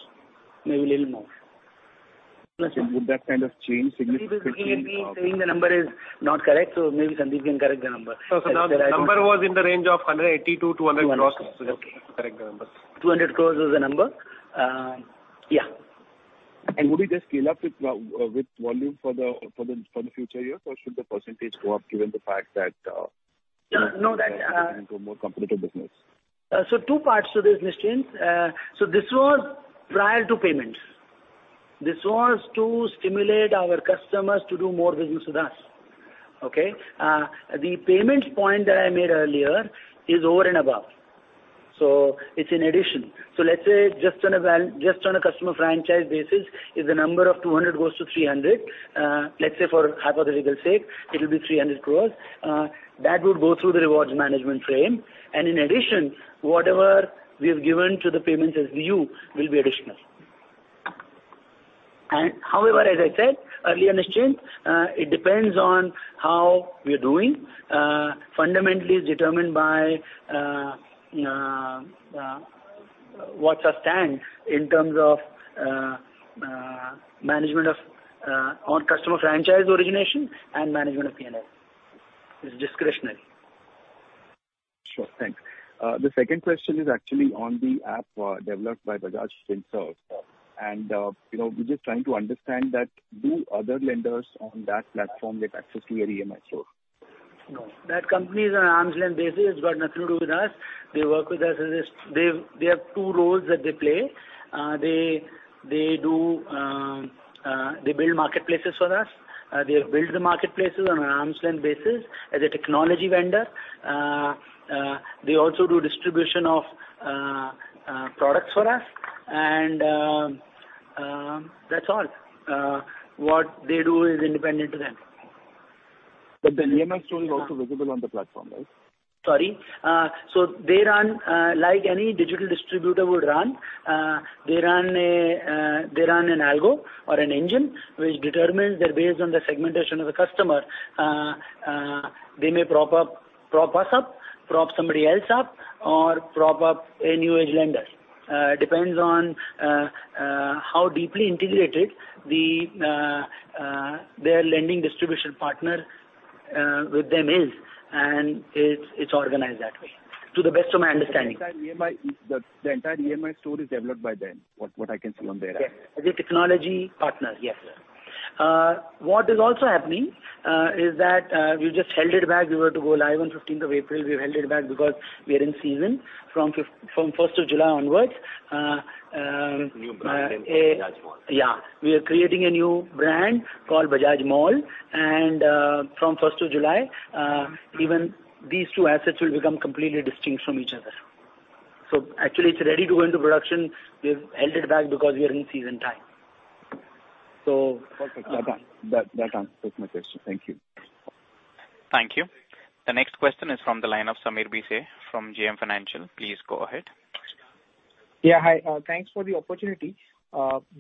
maybe a little more. Would that kind of change significantly? Maybe Vishwajeet may be saying the number is not correct, so maybe Sandeep can correct the number. Now the number was in the range of 180 crores-200 crores. INR 200 crores. That's the correct number. 200 crore is the number. Yeah. Would it just scale up with volume for the future years or should the percentage go up given the fact that? No. That, into a more competitive business? Two parts to this, Nischint. This was prior to payments. This was to stimulate our customers to do more business with us. Okay. The payments point that I made earlier is over and above, it's in addition. Let's say just on a customer franchise basis, if the number of 200 goes to 300, let's say for hypothetical sake, it'll be 300 crore, that would go through the rewards management framework. In addition, whatever we have given to the payments as we view will be additional. However, as I said earlier, Nischint, it depends on how we are doing. Fundamentally is determined by, what's our stand in terms of management of on customer franchise origination and management of P&L. It's discretionary. Sure. Thanks. The second question is actually on the app developed by Bajaj Finserv. You know, we're just trying to understand that do other lenders on that platform get access to your EMI source? No. That company is on an arm's length basis. It's got nothing to do with us. They work with us. They have two roles that they play. They build marketplaces for us. They build the marketplaces on an arm's length basis as a technology vendor. They also do distribution of products for us and that's all. What they do is independent of them. The EMI Store is also visible on the platform, right? Sorry. They run like any digital distributor would run. They run an algo or an engine which determines that based on the segmentation of the customer, they may prop up, prop us up, prop somebody else up, or prop up a new age lender. It depends on how deeply integrated their lending distribution partner is with them, and it's organized that way, to the best of my understanding. The entire EMI Store is developed by them, what I can see on there. Yes. As a technology partner. Yes. What is also happening is that we just held it back. We were to go live on 15th of April. We've held it back because we are in season from first of July onwards. New brand name, Bajaj Mall. Yeah. We are creating a new brand called Bajaj Mall and, from first of July, even these two assets will become completely distinct from each other. Actually it's ready to go into production. We've held it back because we are in season time. Okay. That answers my question. Thank you. Thank you. The next question is from the line of Sameer Bhise from JM Financial. Please go ahead. Yeah. Hi. Thanks for the opportunity.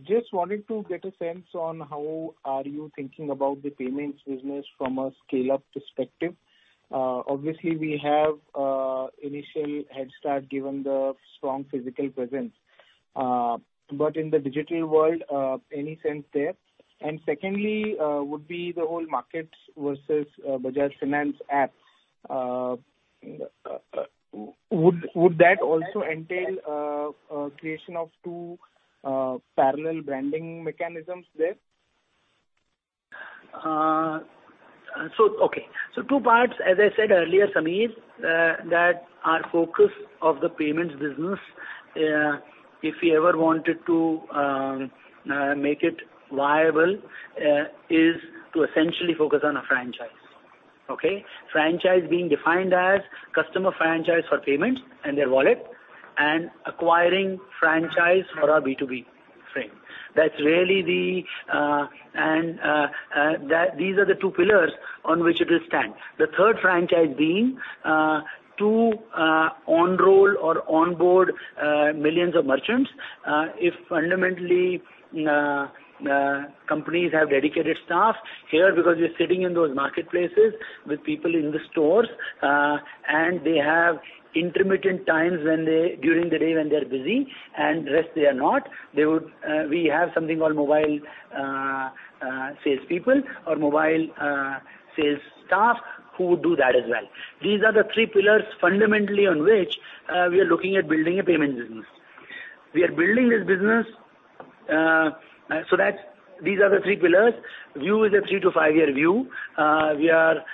Just wanted to get a sense on how are you thinking about the payments business from a scale-up perspective. Obviously we have initial head start given the strong physical presence. But in the digital world, any sense there? Secondly, would be the whole markets versus Bajaj Finance app. Would that also entail a creation of two parallel branding mechanisms there? Two parts, as I said earlier, Sameer, that our focus of the payments business, if we ever wanted to make it viable, is to essentially focus on a franchise. Franchise being defined as customer franchise for payments and their wallet and acquiring franchise for our B2B frame. That's really the and that these are the two pillars on which it will stand. The third franchise being to enroll or onboard millions of merchants. If fundamentally companies have dedicated staff here because we're sitting in those marketplaces with people in the stores, and they have intermittent times during the day when they're busy and rest they are not, they would we have something called mobile salespeople or mobile sales staff who do that as well. These are the three pillars fundamentally on which we are looking at building a payment business. We are building this business so that these are the three pillars. View is a three-five year view. We are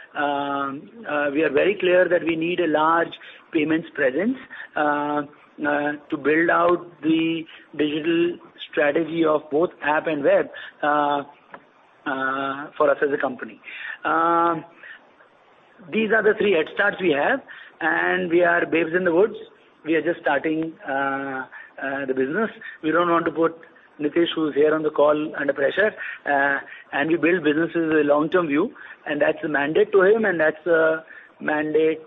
very clear that we need a large payments presence to build out the digital strategy of both app and web for us as a company. These are the three head starts we have, and we are babes in the woods. We are just starting the business. We don't want to put Nitish, who's here on the call, under pressure. We build businesses with a long-term view, and that's a mandate to him, and that's a mandate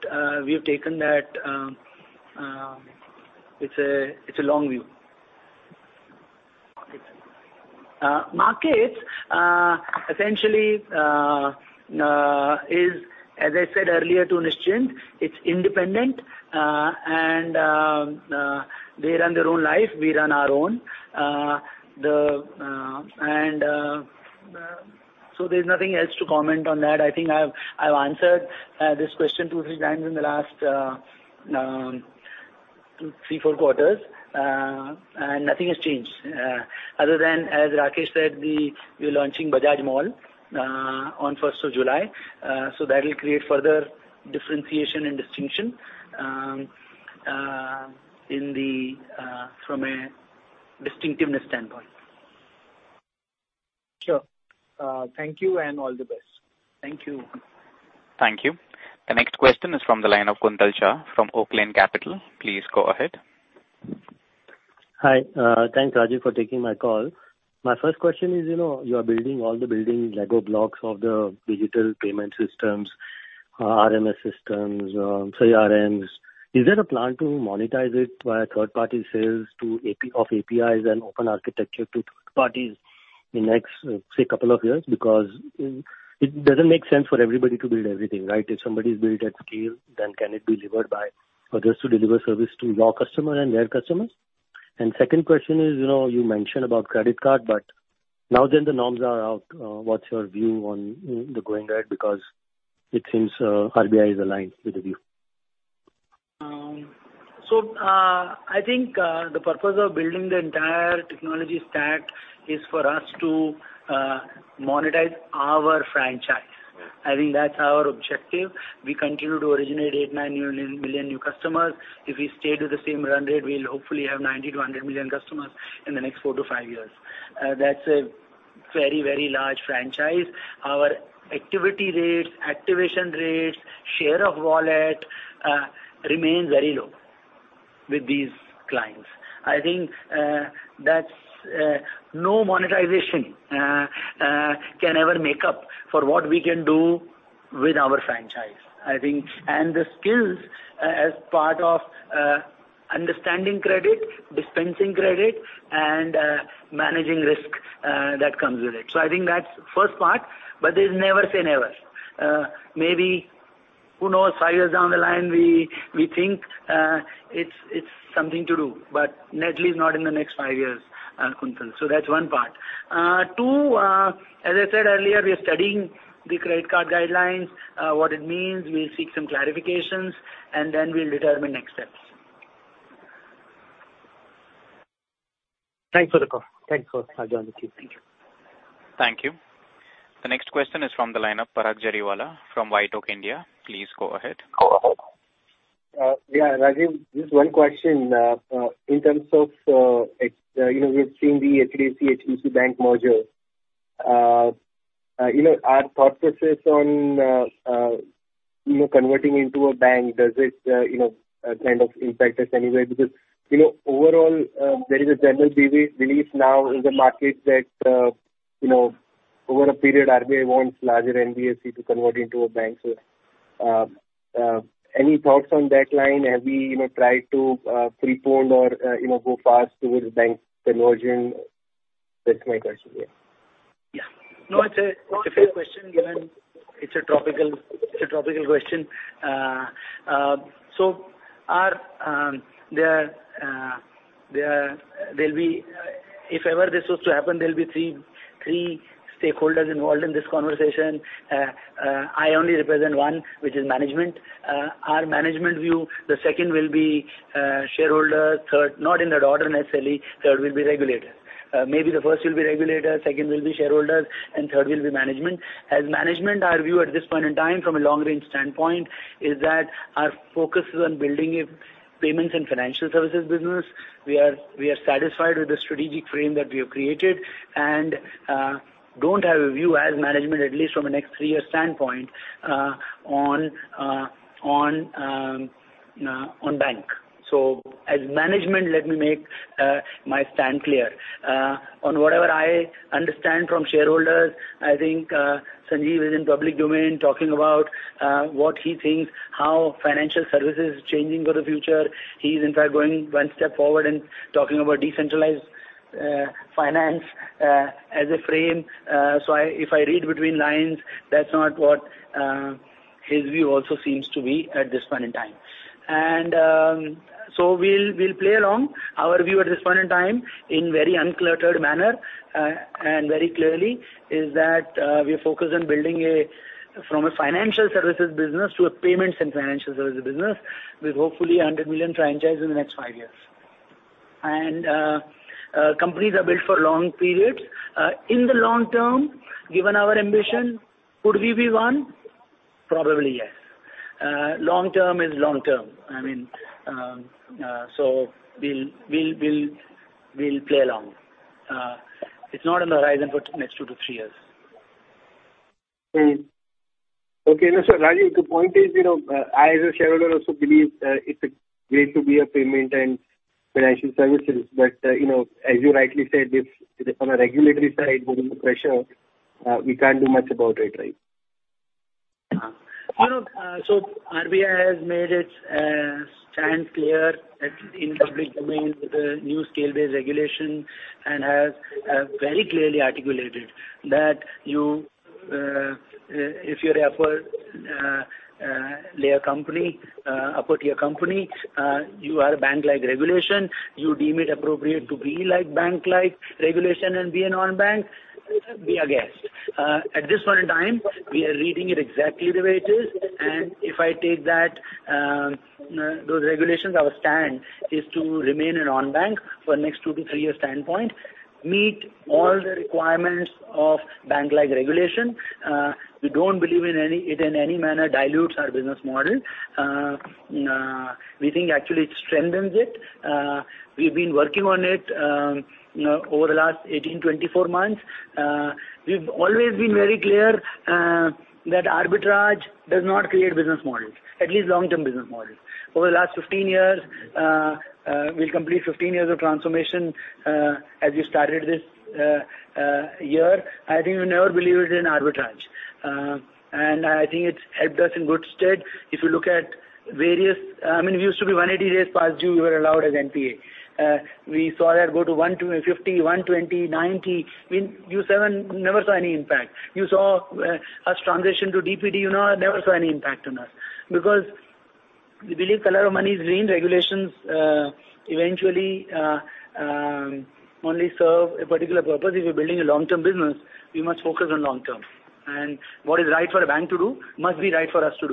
we have taken that it's a long view. Markets. Markets essentially, as I said earlier to Nischint, it's independent, so there's nothing else to comment on that. I think I've answered this question two, three times in the last three, four quarters, and nothing has changed, other than as Rakesh said, we're launching Bajaj Mall on first of July. That'll create further differentiation and distinction in the from a distinctiveness standpoint. Sure. Thank you and all the best. Thank you. Thank you. The next question is from the line of Kuntal Shah from Oaklane Capital. Please go ahead. Hi. Thanks, Rajeev, for taking my call. My first question is, you know, you are building all the Lego blocks of the digital payment systems, RMS systems, CRM. Is there a plan to monetize it via third-party sales of APIs and open architecture to third parties in the next, say, couple of years? Because it doesn't make sense for everybody to build everything, right? If somebody's built at scale, then can it be delivered by others to deliver service to your customer and their customers? Second question is, you know, you mentioned about credit card, but now the norms are out. What's your view on the going rate? Because it seems, RBI is aligned with the view. I think the purpose of building the entire technology stack is for us to monetize our franchise. Yeah. I think that's our objective. We continue to originate 8-9 million new customers. If we stay to the same run rate, we'll hopefully have 90-100 million customers in the next four-five years. That's a very large franchise. Our activity rates, activation rates, share of wallet remains very low with these clients. I think that's no monetization can ever make up for what we can do with our franchise. I think the skills as part of understanding credit, dispensing credit and managing risk that comes with it. I think that's first part, but there's never say never. Maybe who knows, five years down the line, we think it's something to do, but naturally is not in the next five years, Kuntal. That's one part. As I said earlier, we are studying the credit card guidelines, what it means. We'll seek some clarifications, and then we'll determine next steps. Thanks for the call. Thanks for joining me. Thank you. Thank you. The next question is from the line of Parag Jariwala from White Oak Capital. Please go ahead. Yeah, Rajeev, just one question. In terms of, you know, we've seen the HDFC-HDFC Bank merger. You know, our thought process on, you know, converting into a bank, does it, you know, kind of impact us anyway? Because, you know, overall, there is a general belief now in the market that, you know, over a period RBI wants larger NBFC to convert into a bank. So, any thoughts on that line? Have we, you know, tried to pre-pone or, you know, go fast towards bank conversion? That's my question. Yeah. Yeah. No, it's a fair question, given it's a topical question. If ever this was to happen, there'll be three stakeholders involved in this conversation. I only represent one, which is management. Our management view, the second will be shareholders. Third, not in that order necessarily, will be regulators. Maybe the first will be regulators, second will be shareholders, and third will be management. As management, our view at this point in time from a long range standpoint is that our focus is on building a payments and financial services business. We are satisfied with the strategic frame that we have created and don't have a view as management, at least from a next three-year standpoint, on bank. As management, let me make my stand clear. On whatever I understand from shareholders, I think Sanjiv is in public domain talking about what he thinks, how financial services is changing for the future. He's in fact going one step forward and talking about decentralized finance as a frame. If I read between the lines, that's not what his view also seems to be at this point in time. We'll play along. Our view at this point in time, in very uncluttered manner and very clearly, is that we are focused on building from a financial services business to a payments and financial services business with hopefully 100 million franchise in the next five years. Companies are built for long periods. In the long term, given our ambition, could we be one? Probably, yes. Long term is long term. I mean, we'll play along. It's not on the horizon for next two-three years. No, Rajeev, the point is, you know, I as a shareholder also believe it's great to be a payment and financial services, but, you know, as you rightly said, if on a regulatory side building the pressure, we can't do much about it, right? You know, RBI has made its stand clear, at least in public domain with the new scale-based regulation and has very clearly articulated that you, if you're upper layer company, upper tier company, you are bank-like regulation. You deem it appropriate to be like bank-like regulation and be a non-bank, be our guest. At this point in time, we are reading it exactly the way it is. If I take that those regulations, our stand is to remain a non-bank for next two-tree-year standpoint, meet all the requirements of bank-like regulation. We don't believe in any it in any manner dilutes our business model. We think actually it strengthens it. We've been working on it, you know, over the last 18, 24 months. We've always been very clear that arbitrage does not create business models, at least long-term business models. Over the last 15 years, we'll complete 15 years of transformation as we started this year. I think we never believed in arbitrage. I think it's helped us in good stead. If you look at various, I mean, we used to be 180 days past due, we were allowed as NPA. We saw that go to 150, 120, 90. I mean, 2007 never saw any impact. You saw us transition to DPD, never saw any impact on us. Because we believe color of money is green. Regulations eventually only serve a particular purpose. If you're building a long-term business, we must focus on long term. What is right for a bank to do must be right for us to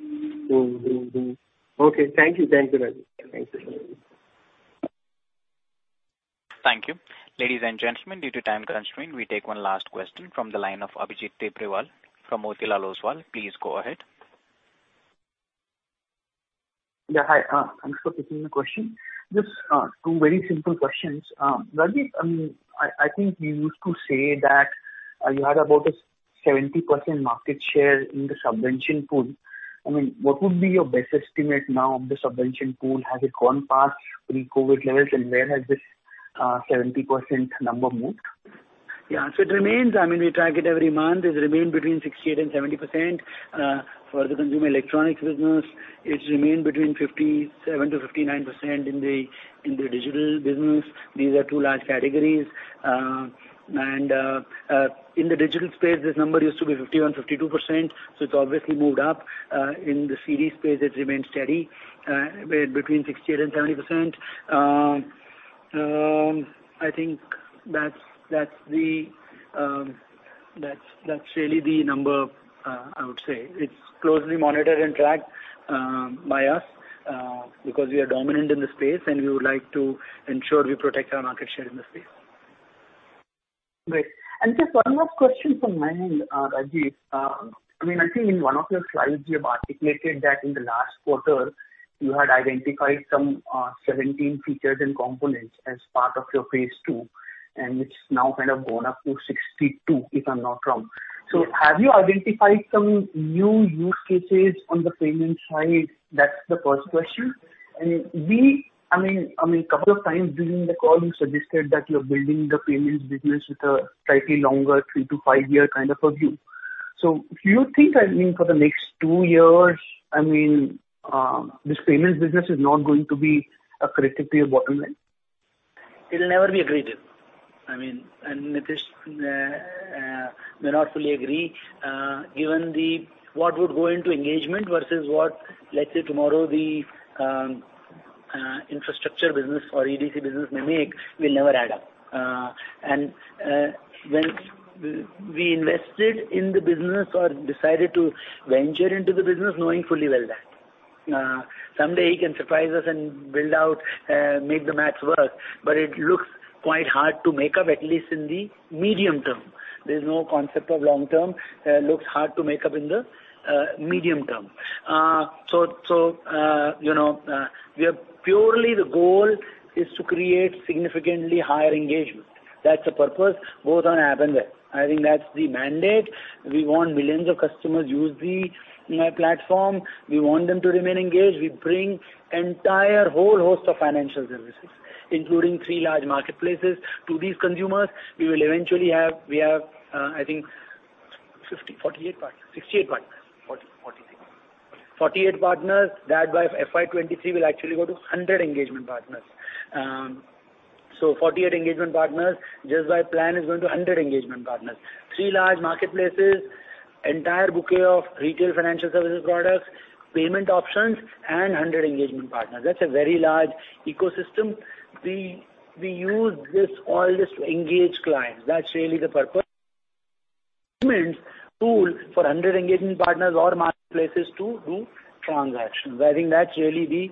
do. You know. Okay. Thank you. Thank you, Rajeev. Thank you. Thank you. Ladies and gentlemen, due to time constraint, we take one last question from the line of Abhijit Tibrewal from Motilal Oswal. Please go ahead. Yeah, hi. Thanks for taking the question. Just two very simple questions. Rajeev, I think you used to say that. You had about a 70% market share in the subvention pool. I mean, what would be your best estimate now of the subvention pool? Has it gone past pre-COVID levels, and where has this 70% number moved? It remains. I mean, we track it every month. It's remained between 68%-70% for the consumer electronics business. It's remained between 57%-59% in the digital business. These are two large categories. In the digital space, this number used to be 51-52%, so it's obviously moved up. In the CE space it's remained steady between 68%-70%. I think that's really the number I would say. It's closely monitored and tracked by us because we are dominant in the space and we would like to ensure we protect our market share in the space. Great. Just one more question from my end, Rajiv. I mean, I think in one of your slides you've articulated that in the last quarter you had identified some 17 features and components as part of your phase two, and it's now kind of gone up to 62, if I'm not wrong. Yeah. Have you identified some new use cases on the payment side? That's the first question. I mean, couple of times during the call you suggested that you're building the payments business with a slightly longer, three-five-year kind of a view. Do you think, I mean, for the next two years, this payments business is not going to be accretive to your bottom line? It'll never be accretive. I mean, Nitish may not fully agree. Given what would go into engagement versus what, let's say, tomorrow the infrastructure business or EDC business may make, will never add up. When we invested in the business or decided to venture into the business knowing fully well that someday he can surprise us and build out make the math work, but it looks quite hard to make up, at least in the medium term. There's no concept of long term. Looks hard to make up in the medium term. You know, we are purely the goal is to create significantly higher engagement. That's the purpose, both on app and web. I think that's the mandate. We want millions of customers use the platform. We want them to remain engaged. We bring entire whole host of financial services, including three large marketplaces to these consumers. We have, I think, 48 partners that by FY 2023 will actually go to 100 engagement partners. So 48 engagement partners, just by plan is going to 100 engagement partners. Three large marketplaces, entire bouquet of retail financial services products, payment options and 100 engagement partners. That's a very large ecosystem. We use this, all this to engage clients. That's really the purpose. Payments tool for 100 engagement partners or marketplaces to do transactions. I think that's really the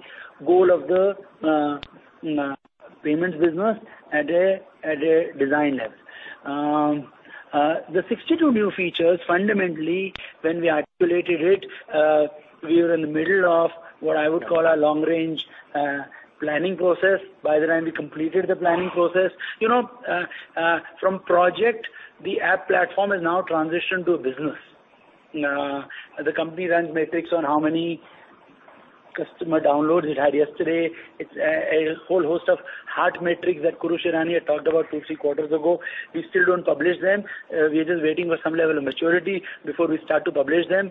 goal of the payments business at a design level. The 62 new features, fundamentally, when we articulated it, we were in the middle of what I would call a long-range planning process. By the time we completed the planning process, from project, the app platform has now transitioned to a business. The company runs metrics on how many customer downloads it had yesterday. It's a whole host of hard metrics that Kurush Irani had talked about two, three quarters ago. We still don't publish them. We are just waiting for some level of maturity before we start to publish them.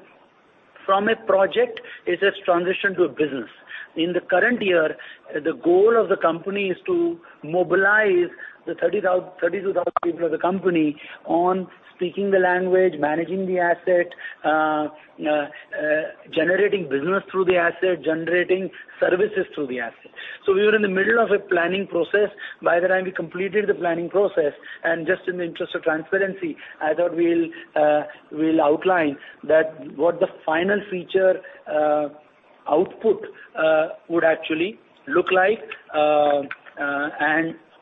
From a project, it has transitioned to a business. In the current year, the goal of the company is to mobilize the 32,000 people of the company on speaking the language, managing the asset, generating business through the asset, generating services through the asset. We were in the middle of a planning process. By the time we completed the planning process, and just in the interest of transparency, I thought we'll outline what the final feature output would actually look like.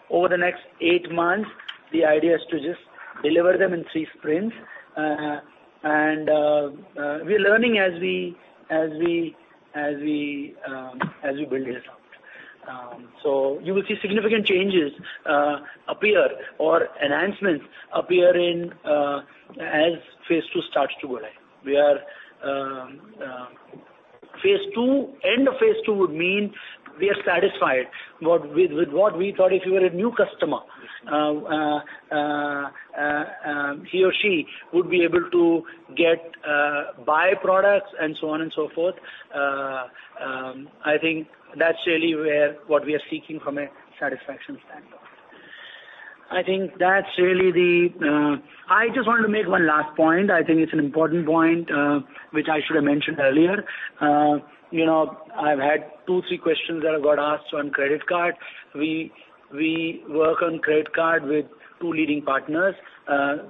Over the next eight months, the idea is to just deliver them in three sprints. We're learning as we build this out. You will see significant changes appear or enhancements appear in as phase two starts to arrive. End of phase two would mean we are satisfied with what we thought if you were a new customer, he or she would be able to get buy products and so on and so forth. I think that's really where what we are seeking from a satisfaction standpoint. I just wanted to make one last point. I think it's an important point, which I should have mentioned earlier. You know, I've had two, three questions that I got asked on credit card. We work on credit card with two leading partners,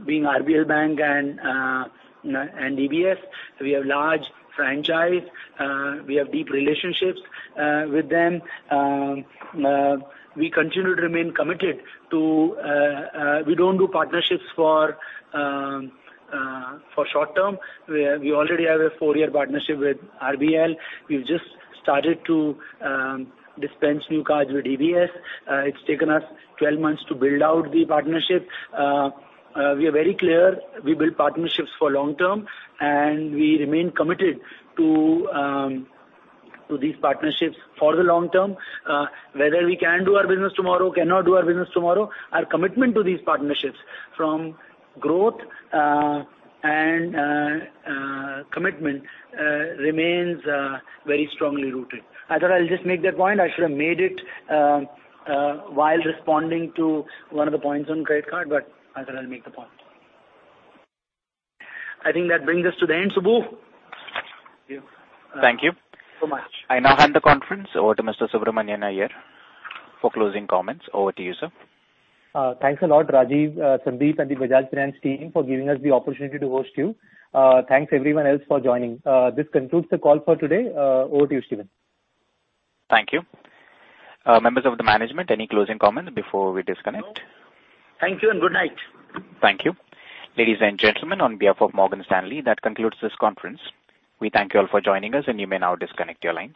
being RBL Bank and DBS. We have large franchise. We have deep relationships with them. We continue to remain committed to. We don't do partnerships for short term. We already have a four-year partnership with RBL. We've just started to dispense new cards with DBS. It's taken us 12 months to build out the partnership. We are very clear we build partnerships for long term, and we remain committed to these partnerships for the long term. Whether we can do our business tomorrow or cannot do our business tomorrow, our commitment to these partnerships for growth and commitment remains very strongly rooted. I thought I'll just make that point. I should have made it while responding to one of the points on credit card, but I thought I'll make the point. I think that brings us to the end, Subbu. Thank you. Much. I now hand the conference over to Mr. Subramanian Iyer for closing comments. Over to you, sir. Thanks a lot, Rajeev, Sandeep and the Bajaj Finance team for giving us the opportunity to host you. Thanks everyone else for joining. This concludes the call for today. Over to you, Steven. Thank you. Members of the management, any closing comments before we disconnect? No. Thank you and good night. Thank you. Ladies and gentlemen, on behalf of Morgan Stanley, that concludes this conference. We thank you all for joining us, and you may now disconnect your lines.